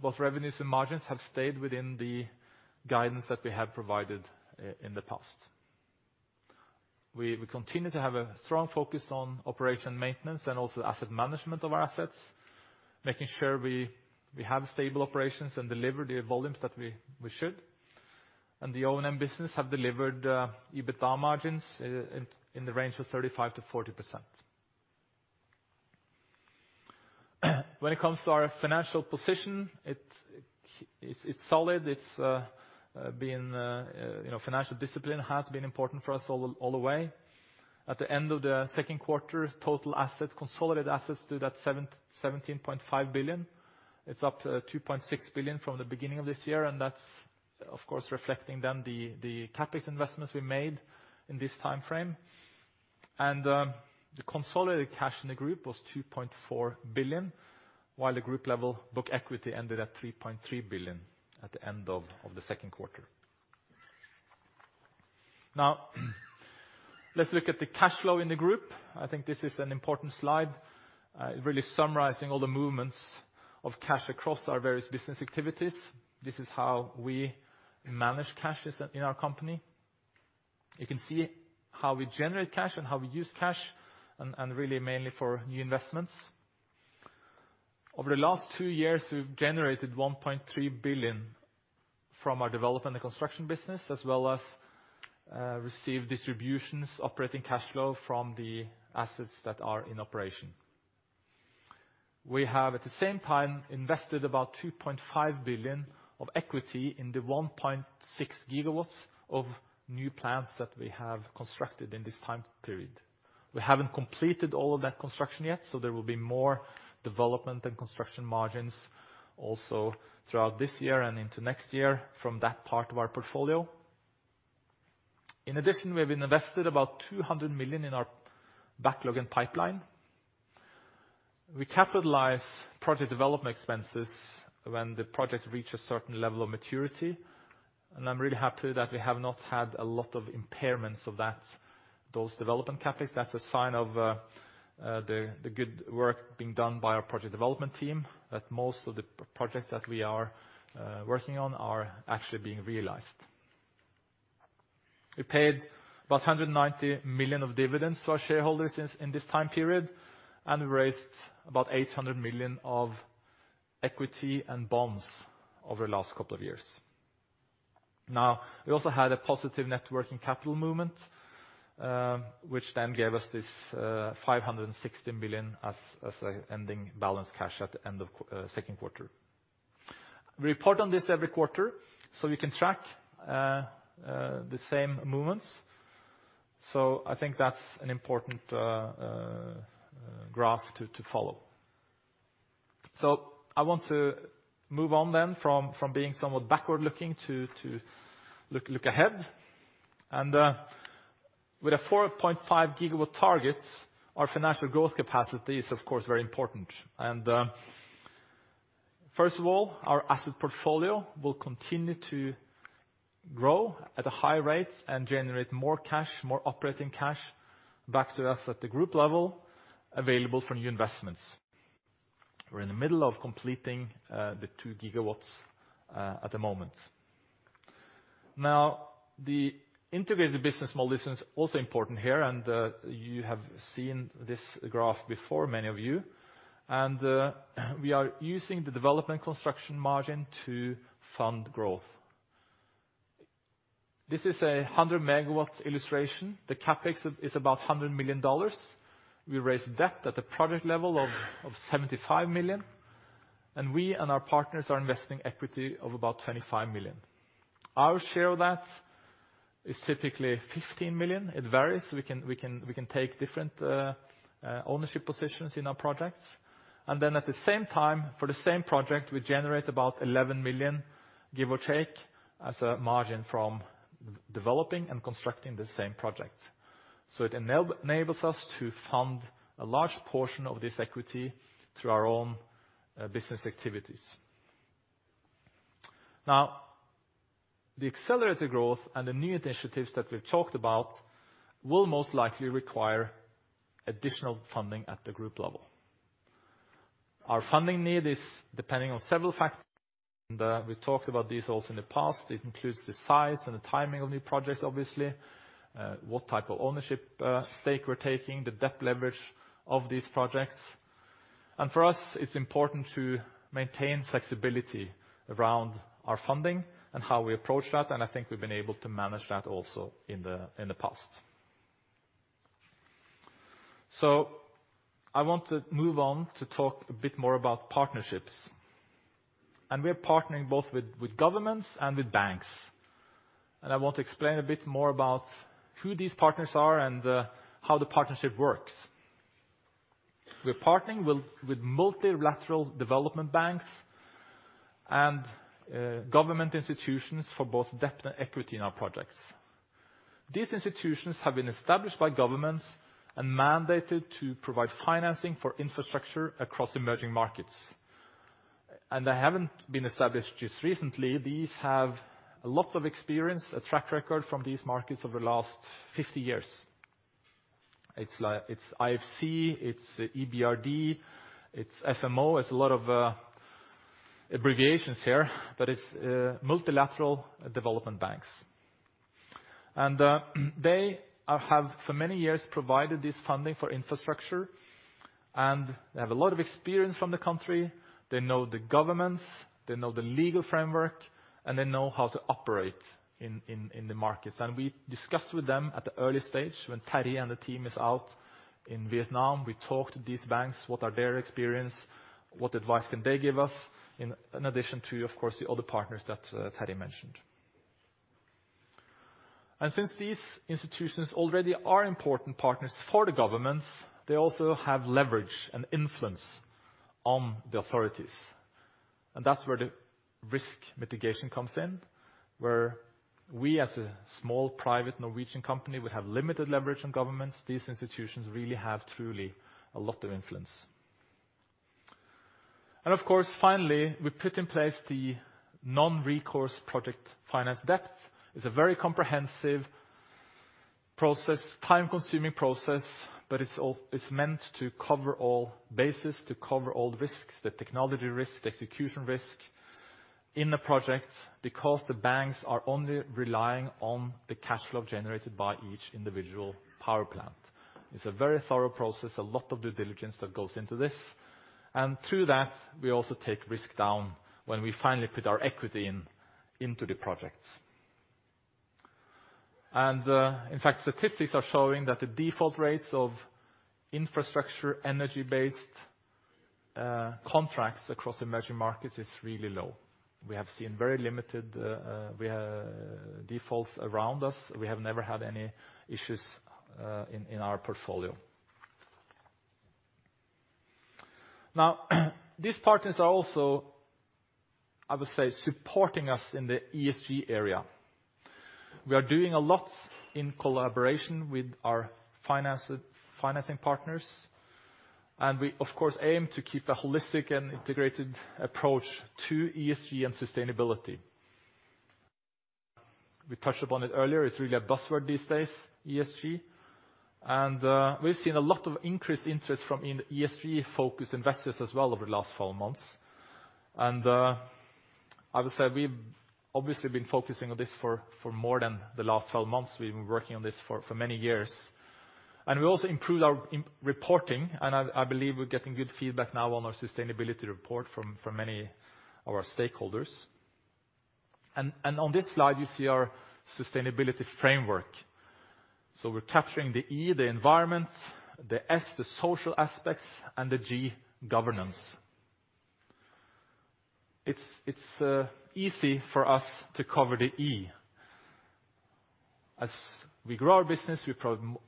both revenues and margins have stayed within the guidance that we have provided in the past. We continue to have a strong focus on operation maintenance and also asset management of our assets, making sure we have stable operations and deliver the volumes that we should. The O&M business have delivered EBITDA margins in the range of 35% to 40%. When it comes to our financial position, it's solid. Financial discipline has been important for us all the way. At the end of the second quarter, total assets, consolidated assets stood at 17.5 billion. It's up 2.6 billion from the beginning of this year, that's, of course, reflecting then the CapEx investments we made in this timeframe. The consolidated cash in the group was 2.4 billion, while the group level book equity ended at 3.3 billion at the end of the second quarter. Now, let's look at the cash flow in the group. I think this is an important slide, really summarizing all the movements of cash across our various business activities. This is how we manage cash in our company. You can see how we generate cash and how we use cash, and really mainly for new investments. Over the last two years, we've generated 1.3 billion from our development and construction business, as well as received distributions, operating cash flow from the assets that are in operation. We have, at the same time, invested about 2.5 billion of equity in the 1.6 GW of new plants that we have constructed in this time period. We haven't completed all of that construction yet, so there will be more development and construction margins also throughout this year and into next year from that part of our portfolio. In addition, we have invested about 200 million in our backlog and pipeline. We capitalize project development expenses when the project reaches a certain level of maturity, and I'm really happy that we have not had a lot of impairments of those development CapEx. That's a sign of the good work being done by our project development team, that most of the projects that we are working on are actually being realized. We paid about 190 million of dividends to our shareholders in this time period and raised about 800 million of equity and bonds over the last couple of years. We also had a positive net working capital movement, which then gave us this 516 million as an ending balance cash at the end of second quarter. We report on this every quarter so we can track the same movements. I think that's an important graph to follow. I want to move on from being somewhat backward-looking to look ahead. With a 4.5 GW targets, our financial growth capacity is, of course, very important. First of all, our asset portfolio will continue to grow at a high rate and generate more cash, more operating cash back to us at the group level, available for new investments. We're in the middle of completing the 2 GW at the moment. The integrated business model is also important here, you have seen this graph before, many of you. We are using the development construction margin to fund growth. This is a 100 MW illustration. The CapEx is about $100 million. We raise debt at the project level of $75 million, we and our partners are investing equity of about $25 million. Our share of that is typically $15 million. It varies. We can take different ownership positions in our projects. At the same time, for the same project, we generate about 11 million, give or take, as a margin from developing and constructing the same project. It enables us to fund a large portion of this equity through our own business activities. Now, the accelerated growth and the new initiatives that we've talked about will most likely require additional funding at the group level. Our funding need is depending on several factors, and we talked about these also in the past. It includes the size and the timing of new projects, obviously, what type of ownership stake we're taking, the debt leverage of these projects. For us, it's important to maintain flexibility around our funding and how we approach that, and I think we've been able to manage that also in the past. I want to move on to talk a bit more about partnerships. We are partnering both with governments and with banks. I want to explain a bit more about who these partners are and how the partnership works. We are partnering with multilateral development banks and government institutions for both debt and equity in our projects. These institutions have been established by governments and mandated to provide financing for infrastructure across emerging markets. They haven't been established just recently. These have a lot of experience, a track record from these markets over the last 50 years. It's IFC, it's EBRD, it's FMO. It's a lot of abbreviations here, but it's multilateral development banks. They have, for many years, provided this funding for infrastructure, and they have a lot of experience from the country. They know the governments, they know the legal framework, and they know how to operate in the markets. We discuss with them at the early stage when Terje and the team is out in Vietnam. We talk to these banks, what are their experience, what advice can they give us, in addition to, of course, the other partners that Terje mentioned. Since these institutions already are important partners for the governments, they also have leverage and influence on the authorities. That's where the risk mitigation comes in, where we, as a small private Norwegian company, we have limited leverage on governments. These institutions really have truly a lot of influence. Of course, finally, we put in place the non-recourse project finance debt. It's a very comprehensive process, time-consuming process, but it's meant to cover all bases, to cover all the risks, the technology risk, the execution risk in the project because the banks are only relying on the cash flow generated by each individual power plant. It's a very thorough process, a lot of due diligence that goes into this. Through that, we also take risk down when we finally put our equity into the projects. In fact, statistics are showing that the default rates of infrastructure energy-based contracts across emerging markets is really low. We have seen very limited defaults around us. We have never had any issues in our portfolio. Now, these partners are also, I would say, supporting us in the ESG area. We are doing a lot in collaboration with our financing partners, and we, of course, aim to keep a holistic and integrated approach to ESG and sustainability. We touched upon it earlier. It's really a buzzword these days, ESG. We've seen a lot of increased interest from ESG-focused investors as well over the last 12 months. I would say we've obviously been focusing on this for more than the last 12 months. We've been working on this for many years. We also improved our reporting, and I believe we're getting good feedback now on our sustainability report from many of our stakeholders. On this slide, you see our sustainability framework. We're capturing the E, the environment, the S, the social aspects, and the G, governance. It's easy for us to cover the E. As we grow our business, we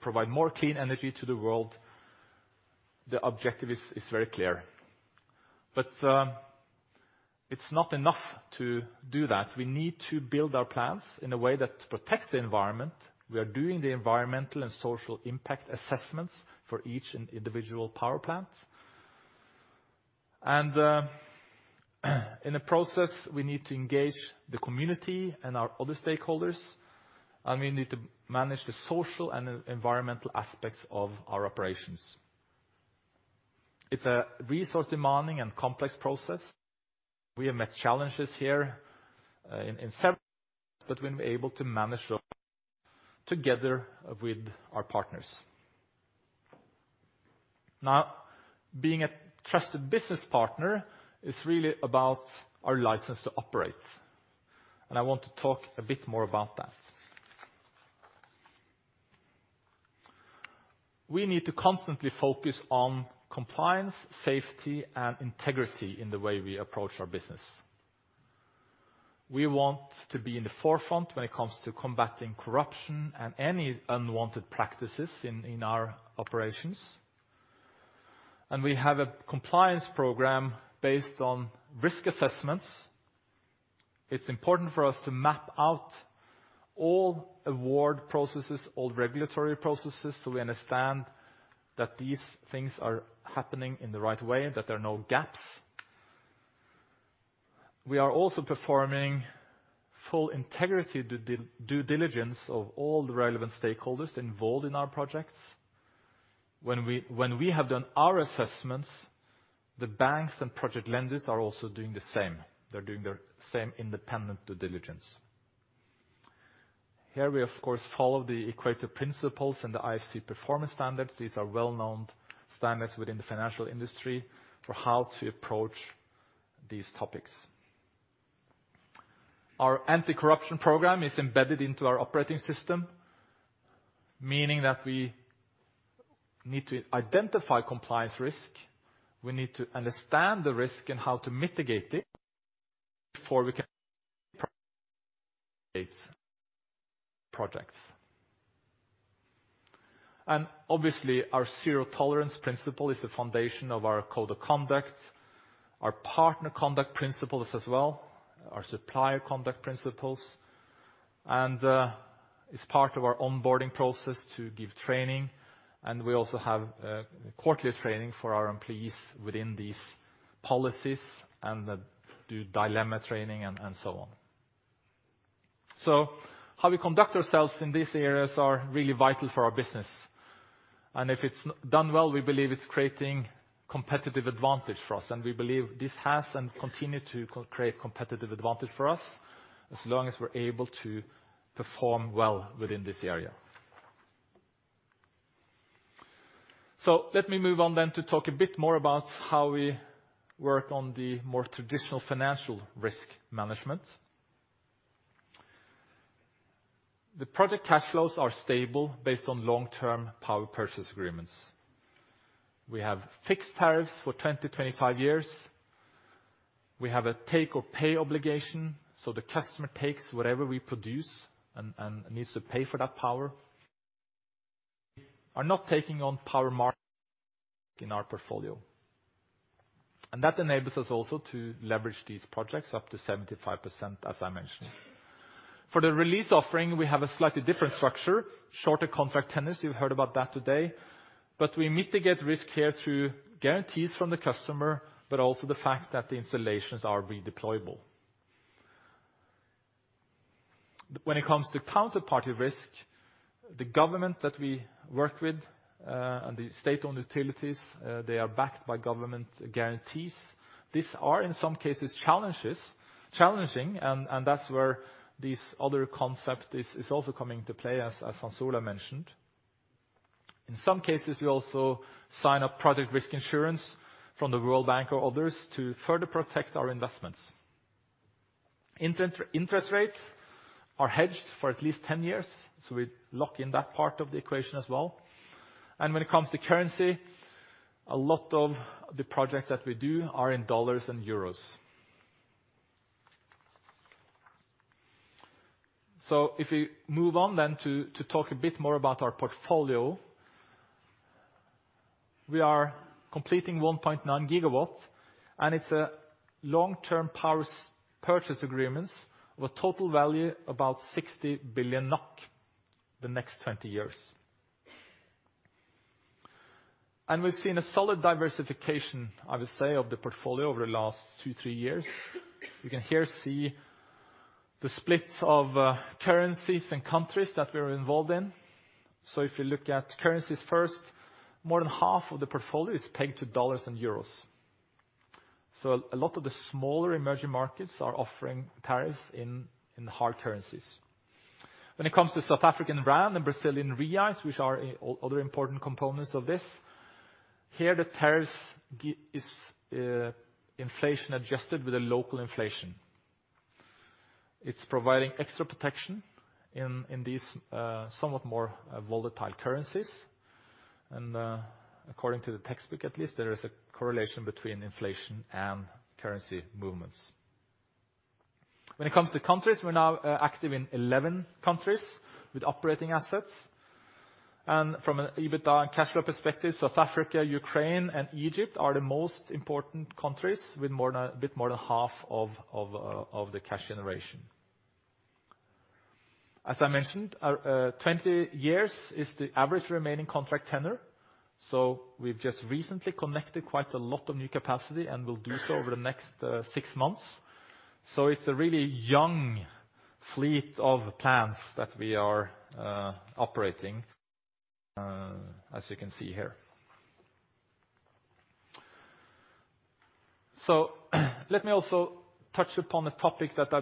provide more clean energy to the world. The objective is very clear. It's not enough to do that. We need to build our plants in a way that protects the environment. We are doing the environmental and social impact assessments for each individual power plant. In the process, we need to engage the community and our other stakeholders, and we need to manage the social and environmental aspects of our operations. It's a resource-demanding and complex process. We have met challenges here in several places, but we've been able to manage those together with our partners. Being a trusted business partner is really about our license to operate, and I want to talk a bit more about that. We need to constantly focus on compliance, safety, and integrity in the way we approach our business. We want to be in the forefront when it comes to combating corruption and any unwanted practices in our operations. We have a compliance program based on risk assessments. It's important for us to map out all award processes, all regulatory processes, so we understand that these things are happening in the right way and that there are no gaps. We are also performing full integrity due diligence of all the relevant stakeholders involved in our projects. When we have done our assessments, the banks and project lenders are also doing the same. They're doing their same independent due diligence. Here we of course follow the Equator Principles and the IFC Performance Standards. These are well-known standards within the financial industry for how to approach these topics. Our anti-corruption program is embedded into our operating system, meaning that we need to identify compliance risk, we need to understand the risk and how to mitigate it before we can projects. Obviously, our zero tolerance principle is the foundation of our code of conduct, our partner conduct principles as well, our supplier conduct principles, and it's part of our onboarding process to give training. We also have quarterly training for our employees within these policies and do dilemma training and so on. How we conduct ourselves in these areas are really vital for our business. If it's done well, we believe it's creating competitive advantage for us, and we believe this has and continue to create competitive advantage for us as long as we're able to perform well within this area. Let me move on then to talk a bit more about how we work on the more traditional financial risk management. The project cash flows are stable based on long-term power purchase agreements. We have fixed tariffs for 20 to 25 years. We have a take or pay obligation, so the customer takes whatever we produce and needs to pay for that power. We are not taking on power market in our portfolio. That enables us also to leverage these projects up to 75%, as I mentioned. For the Release offering, we have a slightly different structure, shorter contract tenors, you've heard about that today. We mitigate risk here through guarantees from the customer, but also the fact that the installations are redeployable. When it comes to counterparty risk, the government that we work with, and the state-owned utilities, they are backed by government guarantees. These are, in some cases, challenging, that's where this other concept is also coming into play, as Hans Olav mentioned. In some cases, we also sign a project risk insurance from the World Bank or others to further protect our investments. Interest rates are hedged for at least 10 years, we lock in that part of the equation as well. When it comes to currency, a lot of the projects that we do are in dollars and euros. If we move on then to talk a bit more about our portfolio, we are completing 1.9 GW, it's a long-term power purchase agreements with total value about 60 billion NOK the next 20 years. We've seen a solid diversification, I would say, of the portfolio over the last two, three years. You can here see the split of currencies and countries that we're involved in. If you look at currencies first, more than half of the portfolio is pegged to USD and EUR. A lot of the smaller emerging markets are offering tariffs in hard currencies. When it comes to ZAR and BRL, which are other important components of this, here the tariffs is inflation adjusted with the local inflation. It's providing extra protection in these somewhat more volatile currencies. According to the textbook at least, there is a correlation between inflation and currency movements. When it comes to countries, we are now active in 11 countries with operating assets. From an EBITDA and cash flow perspective, South Africa, Ukraine, and Egypt are the most important countries with a bit more than half of the cash generation. As I mentioned, 20 years is the average remaining contract tenure, we've just recently connected quite a lot of new capacity, and will do so over the next 6 months. It's a really young fleet of plants that we are operating, as you can see here. Let me also touch upon a topic that I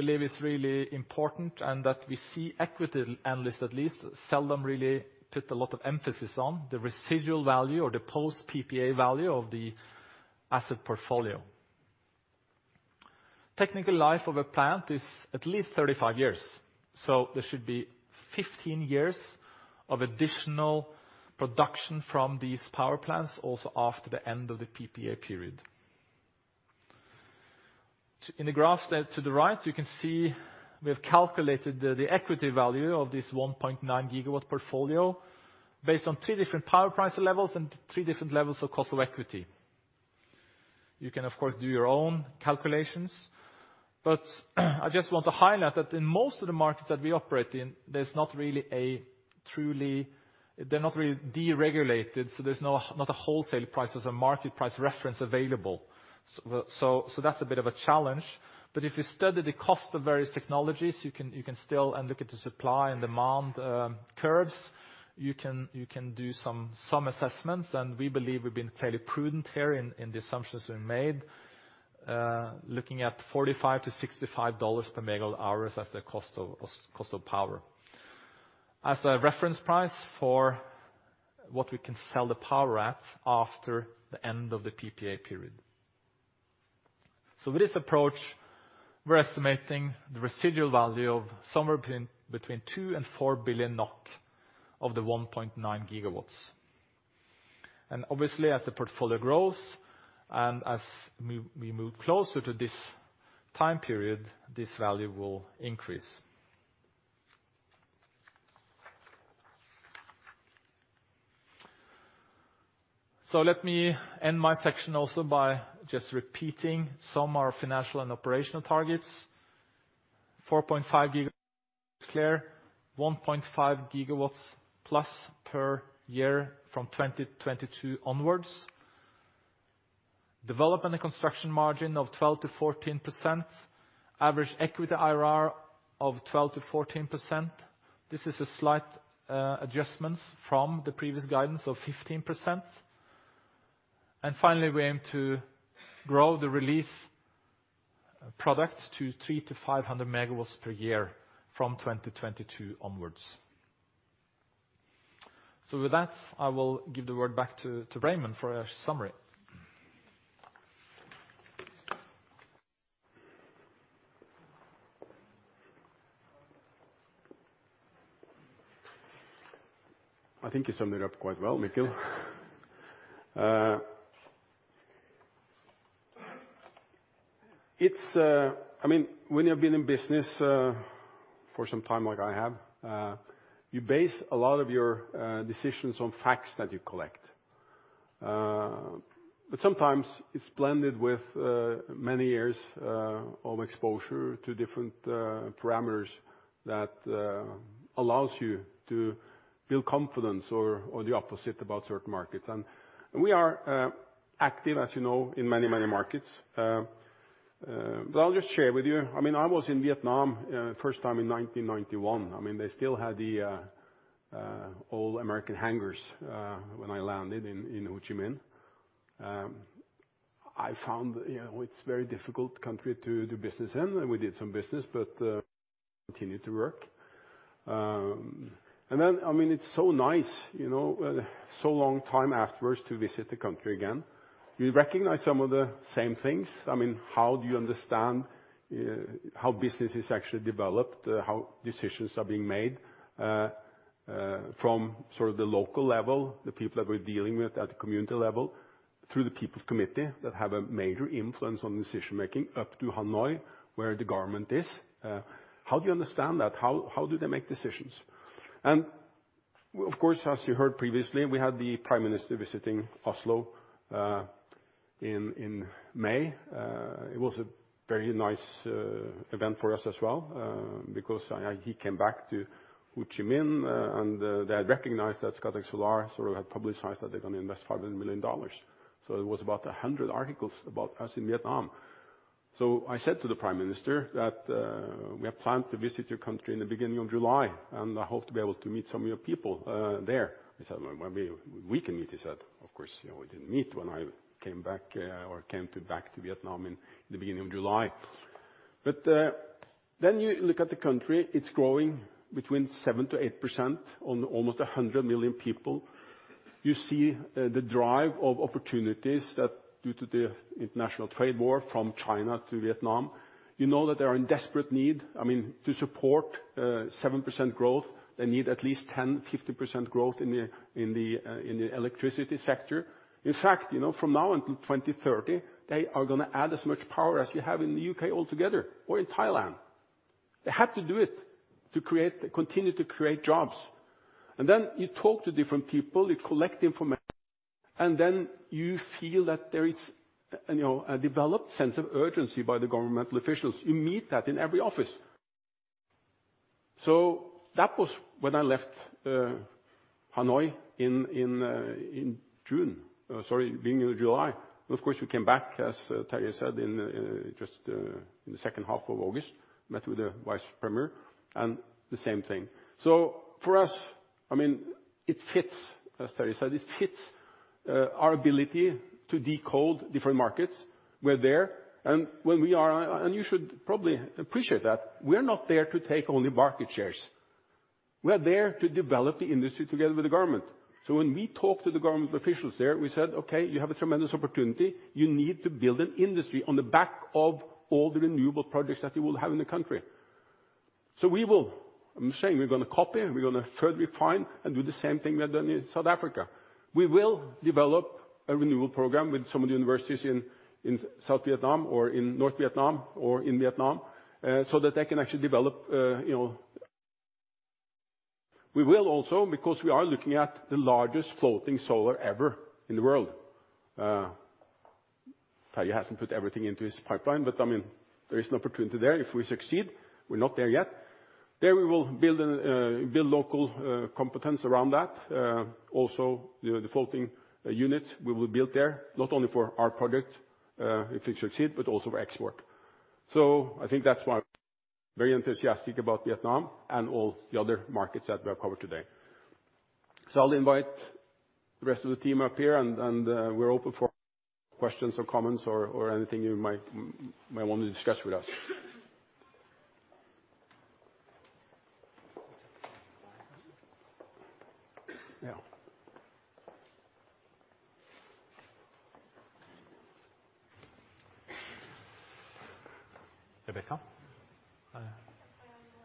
believe is really important, and that we see equity analysts at least seldom really put a lot of emphasis on the residual value or the post PPA value of the asset portfolio. Technical life of a plant is at least 35 years, there should be 15 years of additional production from these power plants also after the end of the PPA period. In the graph there to the right, you can see we have calculated the equity value of this 1.9 GW portfolio based on 3 different power price levels and 3 different levels of cost of equity. You can of course, do your own calculations, but I just want to highlight that in most of the markets that we operate in, they're not really deregulated, so there's not a wholesale price as a market price reference available. That's a bit of a challenge, but if you study the cost of various technologies, you can still look at the supply and demand curves. You can do some assessments, we believe we've been fairly prudent here in the assumptions we've made, looking at $45 to $65 per MWh as the cost of power, as a reference price for what we can sell the power at after the end of the PPA period. With this approach, we're estimating the residual value of somewhere between 2 billion-4 billion NOK of the 1.9 GW. Obviously, as the portfolio grows, and as we move closer to this time period, this value will increase. Let me end my section also by just repeating some of our financial and operational targets. 4.5 GW clear, 1.5 GW plus per year from 2022 onwards. Development and construction margin of 12%-14%. Average equity IRR of 12%-14%. This is a slight adjustment from the previous guidance of 15%. Finally, we aim to grow the Release products to 300-500 MW per year from 2022 onwards. With that, I will give the word back to Raymond for a summary. I think you summed it up quite well, Mikkel. When you've been in business for some time like I have, you base a lot of your decisions on facts that you collect. Sometimes it's blended with many years of exposure to different parameters that allows you to build confidence or the opposite about certain markets. We are active, as you know, in many markets. I'll just share with you. I was in Vietnam first time in 1991. They still had the old American hangars when I landed in Ho Chi Minh. I found it's very difficult country to do business in, and we did some business, but continue to work. Then, it's so nice so long time afterwards to visit the country again. You recognize some of the same things. How do you understand how business is actually developed, how decisions are being made, from sort of the local level, the people that we're dealing with at the community level, through the people's committee that have a major influence on decision-making up to Hanoi, where the government is. How do you understand that? How do they make decisions? Of course, as you heard previously, we had the Prime Minister visiting Oslo in May. It was a very nice event for us as well because he came back to Ho Chi Minh, and they had recognized that Scatec Solar sort of had publicized that they're going to invest $500 million. It was about 100 articles about us in Vietnam. I said to the Prime Minister that we have planned to visit your country in the beginning of July, and I hope to be able to meet some of your people there. He said, "Well, maybe we can meet." He said, of course, we didn't meet when I came back or came back to Vietnam in the beginning of July. You look at the country, it's growing between 7% to 8% on almost 100 million people. You see the drive of opportunities that due to the international trade war from China to Vietnam, you know that they are in desperate need. To support 7% growth, they need at least 10%-15% growth in the electricity sector. In fact from now until 2030, they are going to add as much power as you have in the U.K. altogether or in Thailand. They have to do it to continue to create jobs. You talk to different people, you collect information, and then you feel that there is a developed sense of urgency by the governmental officials. You meet that in every office. That was when I left Hanoi in June, sorry, beginning of July. Of course, we came back, as Terje said, in just the second half of August, met with the Vice Premier and the same thing. For us, it fits, as Terje said, it fits our ability to decode different markets. We're there and when we are. You should probably appreciate that we're not there to take only market shares. We're there to develop the industry together with the government. When we talk to the government officials there, we said, "Okay, you have a tremendous opportunity. You need to build an industry on the back of all the renewable projects that you will have in the country." We will, I'm saying we're going to copy and we're going to further refine and do the same thing we have done in South Africa. We will develop a renewable program with some of the universities in South Vietnam or in North Vietnam or in Vietnam, so that they can actually develop We will also, because we are looking at the largest floating solar ever in the world. Terje Pilskog hasn't put everything into his pipeline, but there is an opportunity there if we succeed. We're not there yet. There we will build local competence around that. The floating units, we will build there, not only for our project if it succeed, but also for export. I think that's why we're very enthusiastic about Vietnam and all the other markets that we have covered today. I'll invite the rest of the team up here, and we're open for questions or comments or anything you might want to discuss with us. Rebecca? Okay.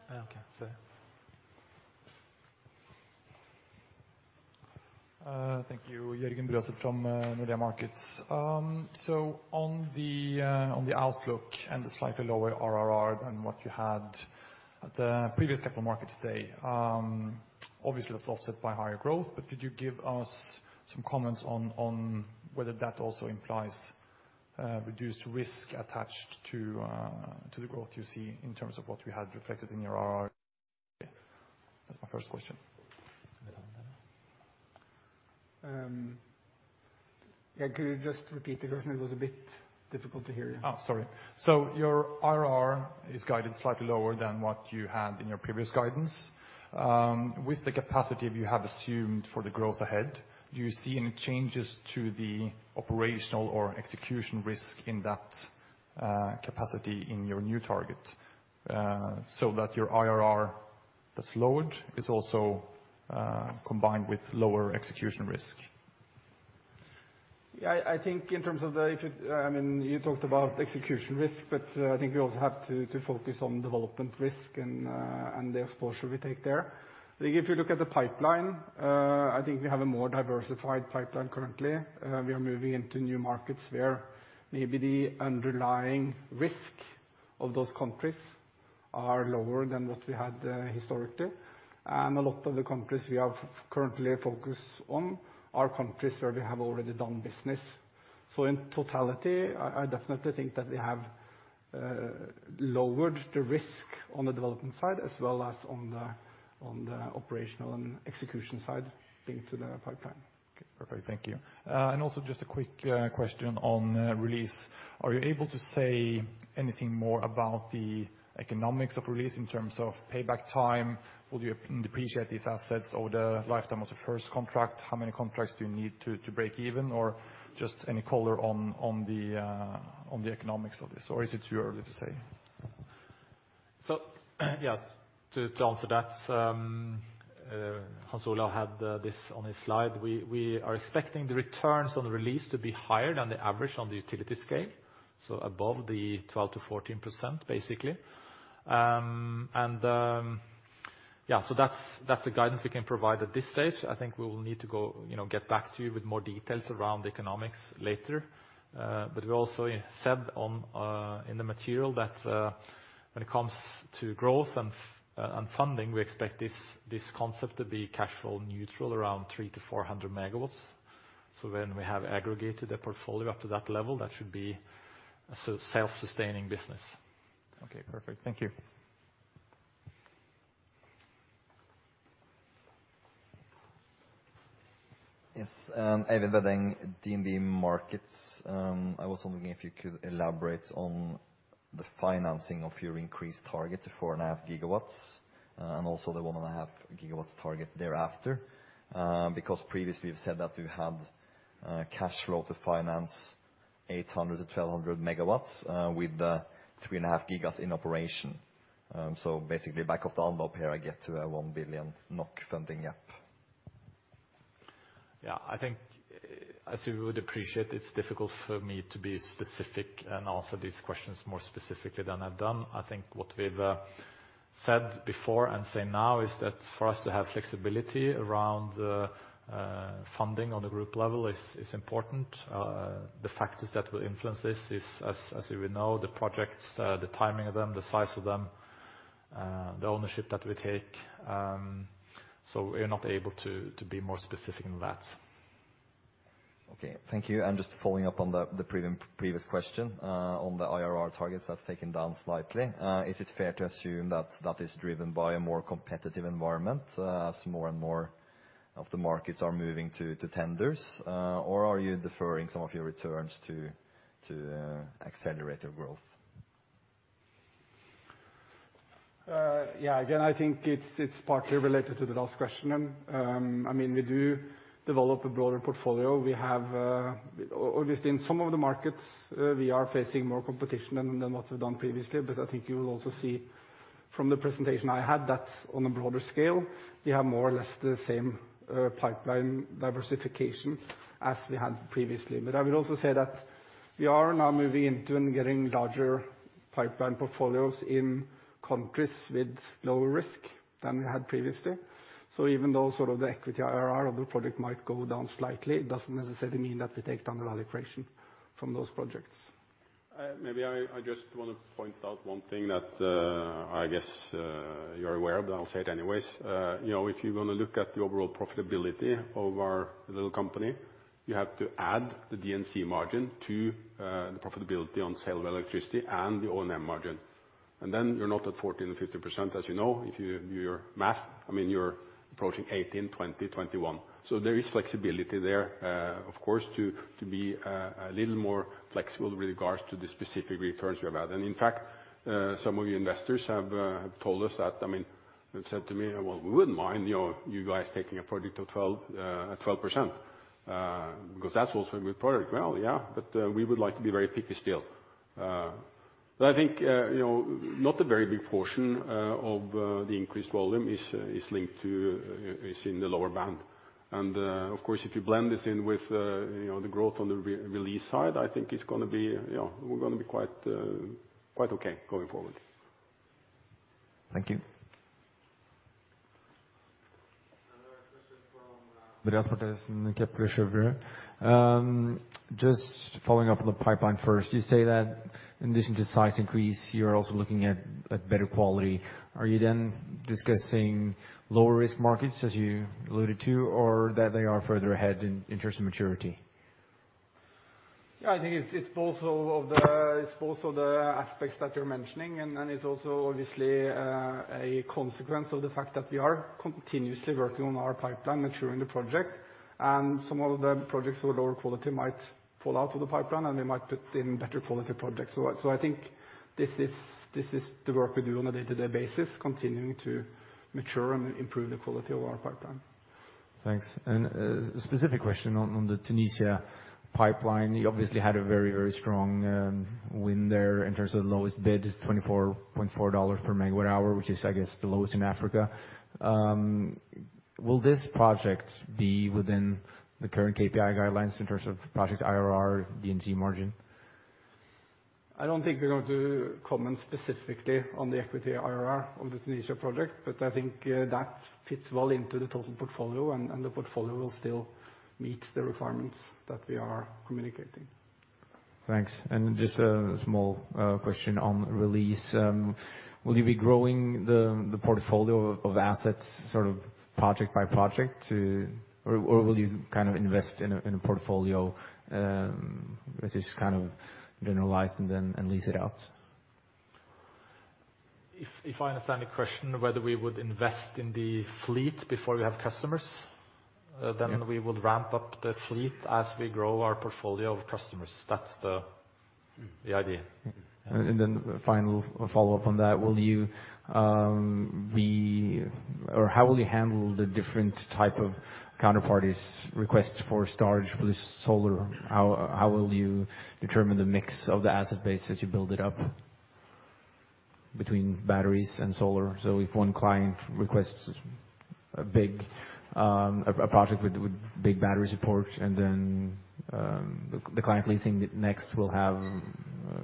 Sir. Thank you, Jørgen Brøset from Nordea Markets. On the outlook and the slightly lower IRR than what you had at the previous Capital Markets Day, obviously that's offset by higher growth, but could you give us some comments on whether that also implies reduced risk attached to the growth you see in terms of what you had reflected in your IRR? That's my first question. Could you just repeat the question? It was a bit difficult to hear you. Sorry. Your IRR is guided slightly lower than what you had in your previous guidance. With the capacity you have assumed for the growth ahead, do you see any changes to the operational or execution risk in that capacity in your new target? That your IRR that's lowered is also combined with lower execution risk. Yeah, I think You talked about execution risk, but I think we also have to focus on development risk and the exposure we take there. I think if you look at the pipeline, I think we have a more diversified pipeline currently. We are moving into new markets where maybe the underlying risk of those countries are lower than what we had historically. A lot of the countries we have currently focus on are countries where we have already done business. In totality, I definitely think that we have lowered the risk on the development side as well as on the operational and execution side linked to the pipeline. Okay, perfect. Thank you. Also just a quick question on Release. Are you able to say anything more about the economics of Release in terms of payback time? Will you depreciate these assets over the lifetime of the first contract? How many contracts do you need to break even? Just any color on the economics of this? Is it too early to say? Yes, to answer that, Hans Olav had this on his slide. We are expecting the returns on the Release to be higher than the average on the utility scale, so above the 12%-14%, basically. That's the guidance we can provide at this stage. I think we will need to get back to you with more details around the economics later. We also said in the material that when it comes to growth and funding, we expect this concept to be cash flow neutral around 300 MW to 400 MW. When we have aggregated the portfolio up to that level, that should be a self-sustaining business. Okay, perfect. Thank you. Yes. Eivind Vedeng, DNB Markets. I was wondering if you could elaborate on the financing of your increased target to 4.5 GW, and also the 1.5 GW target thereafter. Previously you've said that you had cash flow to finance 800-1,200 MW with the 3.5 GW in operation. Basically back of the envelope here, I get to 1 billion NOK funding gap. I think as you would appreciate, it's difficult for me to be specific and answer these questions more specifically than I've done. I think what we've said before and say now is that for us to have flexibility around funding on the group level is important. The factors that will influence this is, as you would know, the projects, the timing of them, the size of them, the ownership that we take. We are not able to be more specific than that. Okay. Thank you. Just following up on the previous question, on the IRR targets that's taken down slightly. Is it fair to assume that is driven by a more competitive environment as more and more of the markets are moving to tenders, or are you deferring some of your returns to accelerate your growth? Again, I think it's partly related to the last question. We do develop a broader portfolio. Obviously in some of the markets, we are facing more competition than what we've done previously. I think you will also see from the presentation I had that on a broader scale, we have more or less the same pipeline diversification as we had previously. I will also say that we are now moving into and getting larger pipeline portfolios in countries with lower risk than we had previously. Even though sort of the equity IRR of the project might go down slightly, it doesn't necessarily mean that we take down the allocation from those projects. Maybe I just want to point out one thing that I guess you're aware of, but I'll say it anyways. If you're going to look at the overall profitability of our little company, you have to add the D&C margin to the profitability on sale of electricity and the O&M margin. Then you're not at 14%-15%, as you know. If you do your math, you're approaching 18%, 20%, 21%. There is flexibility there, of course, to be a little more flexible with regards to the specific returns we have had. In fact, some of your investors have told us that, have said to me, "Well, we wouldn't mind you guys taking a project at 12%, because that's also a good project." Well, yeah, but we would like to be very picky still. I think not a very big portion of the increased volume is linked to is in the lower band. Of course, if you blend this in with the growth on the Release side, I think it's going to be quite okay going forward. Thank you. Another question. Just following up on the pipeline first. You say that in addition to size increase, you are also looking at better quality. Are you then discussing lower-risk markets as you alluded to, or that they are further ahead in terms of maturity? Yeah, I think it's both of the aspects that you're mentioning, and it's also obviously a consequence of the fact that we are continuously working on our pipeline, maturing the project, and some of the projects with lower quality might fall out of the pipeline, and we might put in better quality projects. I think this is the work we do on a day-to-day basis, continuing to mature and improve the quality of our pipeline. Thanks. A specific question on the Tunisia pipeline. You obviously had a very strong win there in terms of the lowest bid, $24.4 per megawatt hour, which is I guess the lowest in Africa. Will this project be within the current KPI guidelines in terms of project IRR, D&C margin? I don't think we're going to comment specifically on the equity IRR on the Tunisia project, but I think that fits well into the total portfolio, and the portfolio will still meet the requirements that we are communicating. Thanks. Just a small question on Release. Will you be growing the portfolio of assets sort of project by project, or will you kind of invest in a portfolio which is kind of generalized and then lease it out? If I understand the question, whether we would invest in the fleet before we have customers? Yeah. We would ramp up the fleet as we grow our portfolio of customers. That's the idea. A final follow-up on that. How will you handle the different type of counterparties' requests for storage with solar? How will you determine the mix of the asset base as you build it up between batteries and solar? If one client requests a project with big battery support, and then the client leasing next will have a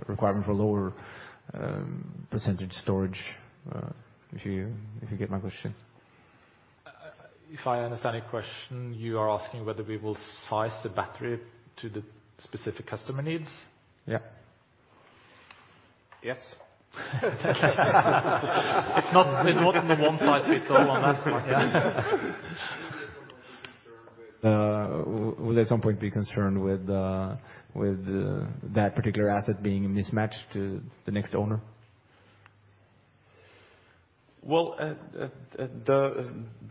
requirement for lower percentage storage. If you get my question. If I understand your question, you are asking whether we will size the battery to the specific customer needs? Yeah. Yes. It's not a one-size-fits-all on that one, yeah. Will there at some point be concern with that particular asset being mismatched to the next owner? Well,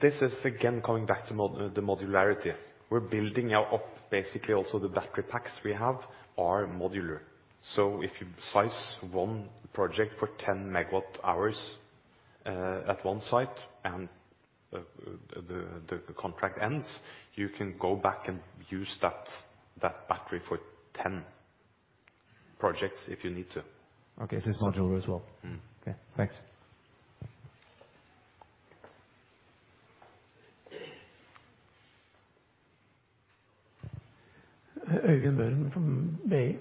this is again coming back to the modularity. We're building up basically also the battery packs we have are modular. If you size one project for 10 megawatt hours at one site and the contract ends, you can go back and use that battery for 10 projects if you need to. Okay. It's modular as well? Okay, thanks. Øyvind Møllen from ABG.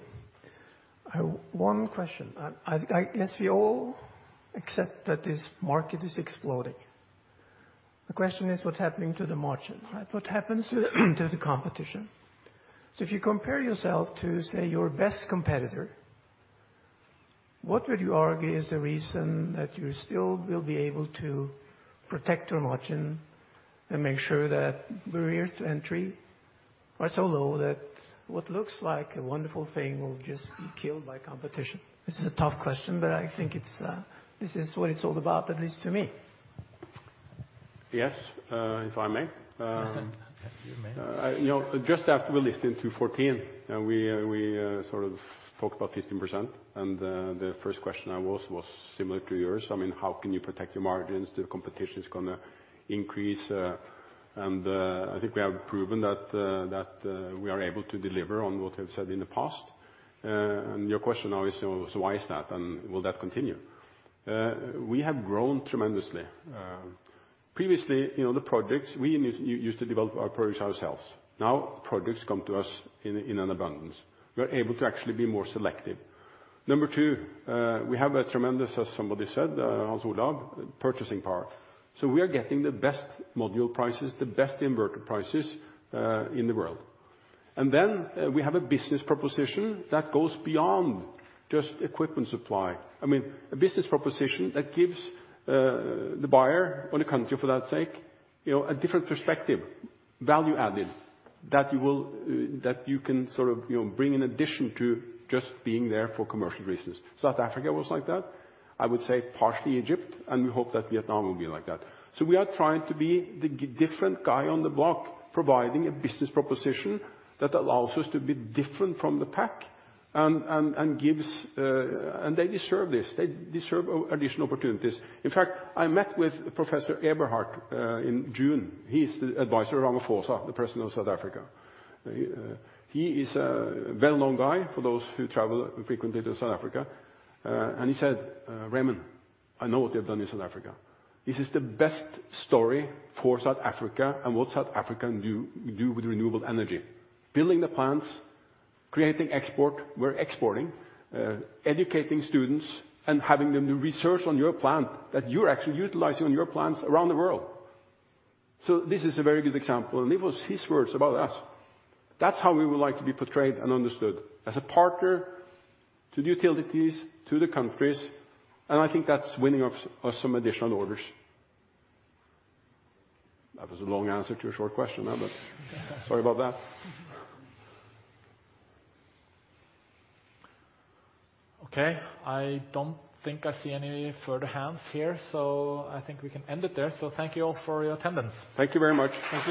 I have one question. I guess we all accept that this market is exploding. The question is what's happening to the margin? What happens to the competition? If you compare yourself to, say, your best competitor, what would you argue is the reason that you still will be able to protect your margin and make sure that barriers to entry are so low that what looks like a wonderful thing will just be killed by competition? This is a tough question, but I think this is what it's all about, at least to me. Yes. If I may. You may. Just after we listed in 2014, we sort of talked about 15%, and the first question I was was similar to yours. I mean, how can you protect your margins? The competition is going to increase. I think we have proven that we are able to deliver on what we have said in the past. Your question now is, why is that? Will that continue? We have grown tremendously. Previously, the projects we used to develop our projects ourselves. Now projects come to us in an abundance. We are able to actually be more selective. Number two, we have a tremendous, as somebody said, Hans Olav, purchasing power. We are getting the best module prices, the best inverted prices, in the world. We have a business proposition that goes beyond just equipment supply. I mean, a business proposition that gives the buyer or the country, for that sake, a different perspective, value added that you can sort of bring in addition to just being there for commercial reasons. South Africa was like that, I would say partially Egypt. We hope that Vietnam will be like that. We are trying to be the different guy on the block providing a business proposition that allows us to be different from the pack. They deserve this. They deserve additional opportunities. In fact, I met with Professor Eberhard in June. He's the advisor of Ramaphosa, the President of South Africa. He is a well-known guy for those who travel frequently to South Africa. He said, "Raymond, I know what they've done in South Africa. This is the best story for South Africa and what South Africa can do with renewable energy. Building the plants, creating export. We're exporting, educating students, and having them do research on your plant that you're actually utilizing on your plants around the world. This is a very good example, and it was his words about us. That's how we would like to be portrayed and understood, as a partner to the utilities, to the countries, and I think that's winning us some additional orders. That was a long answer to a short question. I'm sorry about that. Okay. I don't think I see any further hands here, so I think we can end it there. Thank you all for your attendance. Thank you very much. Thank you.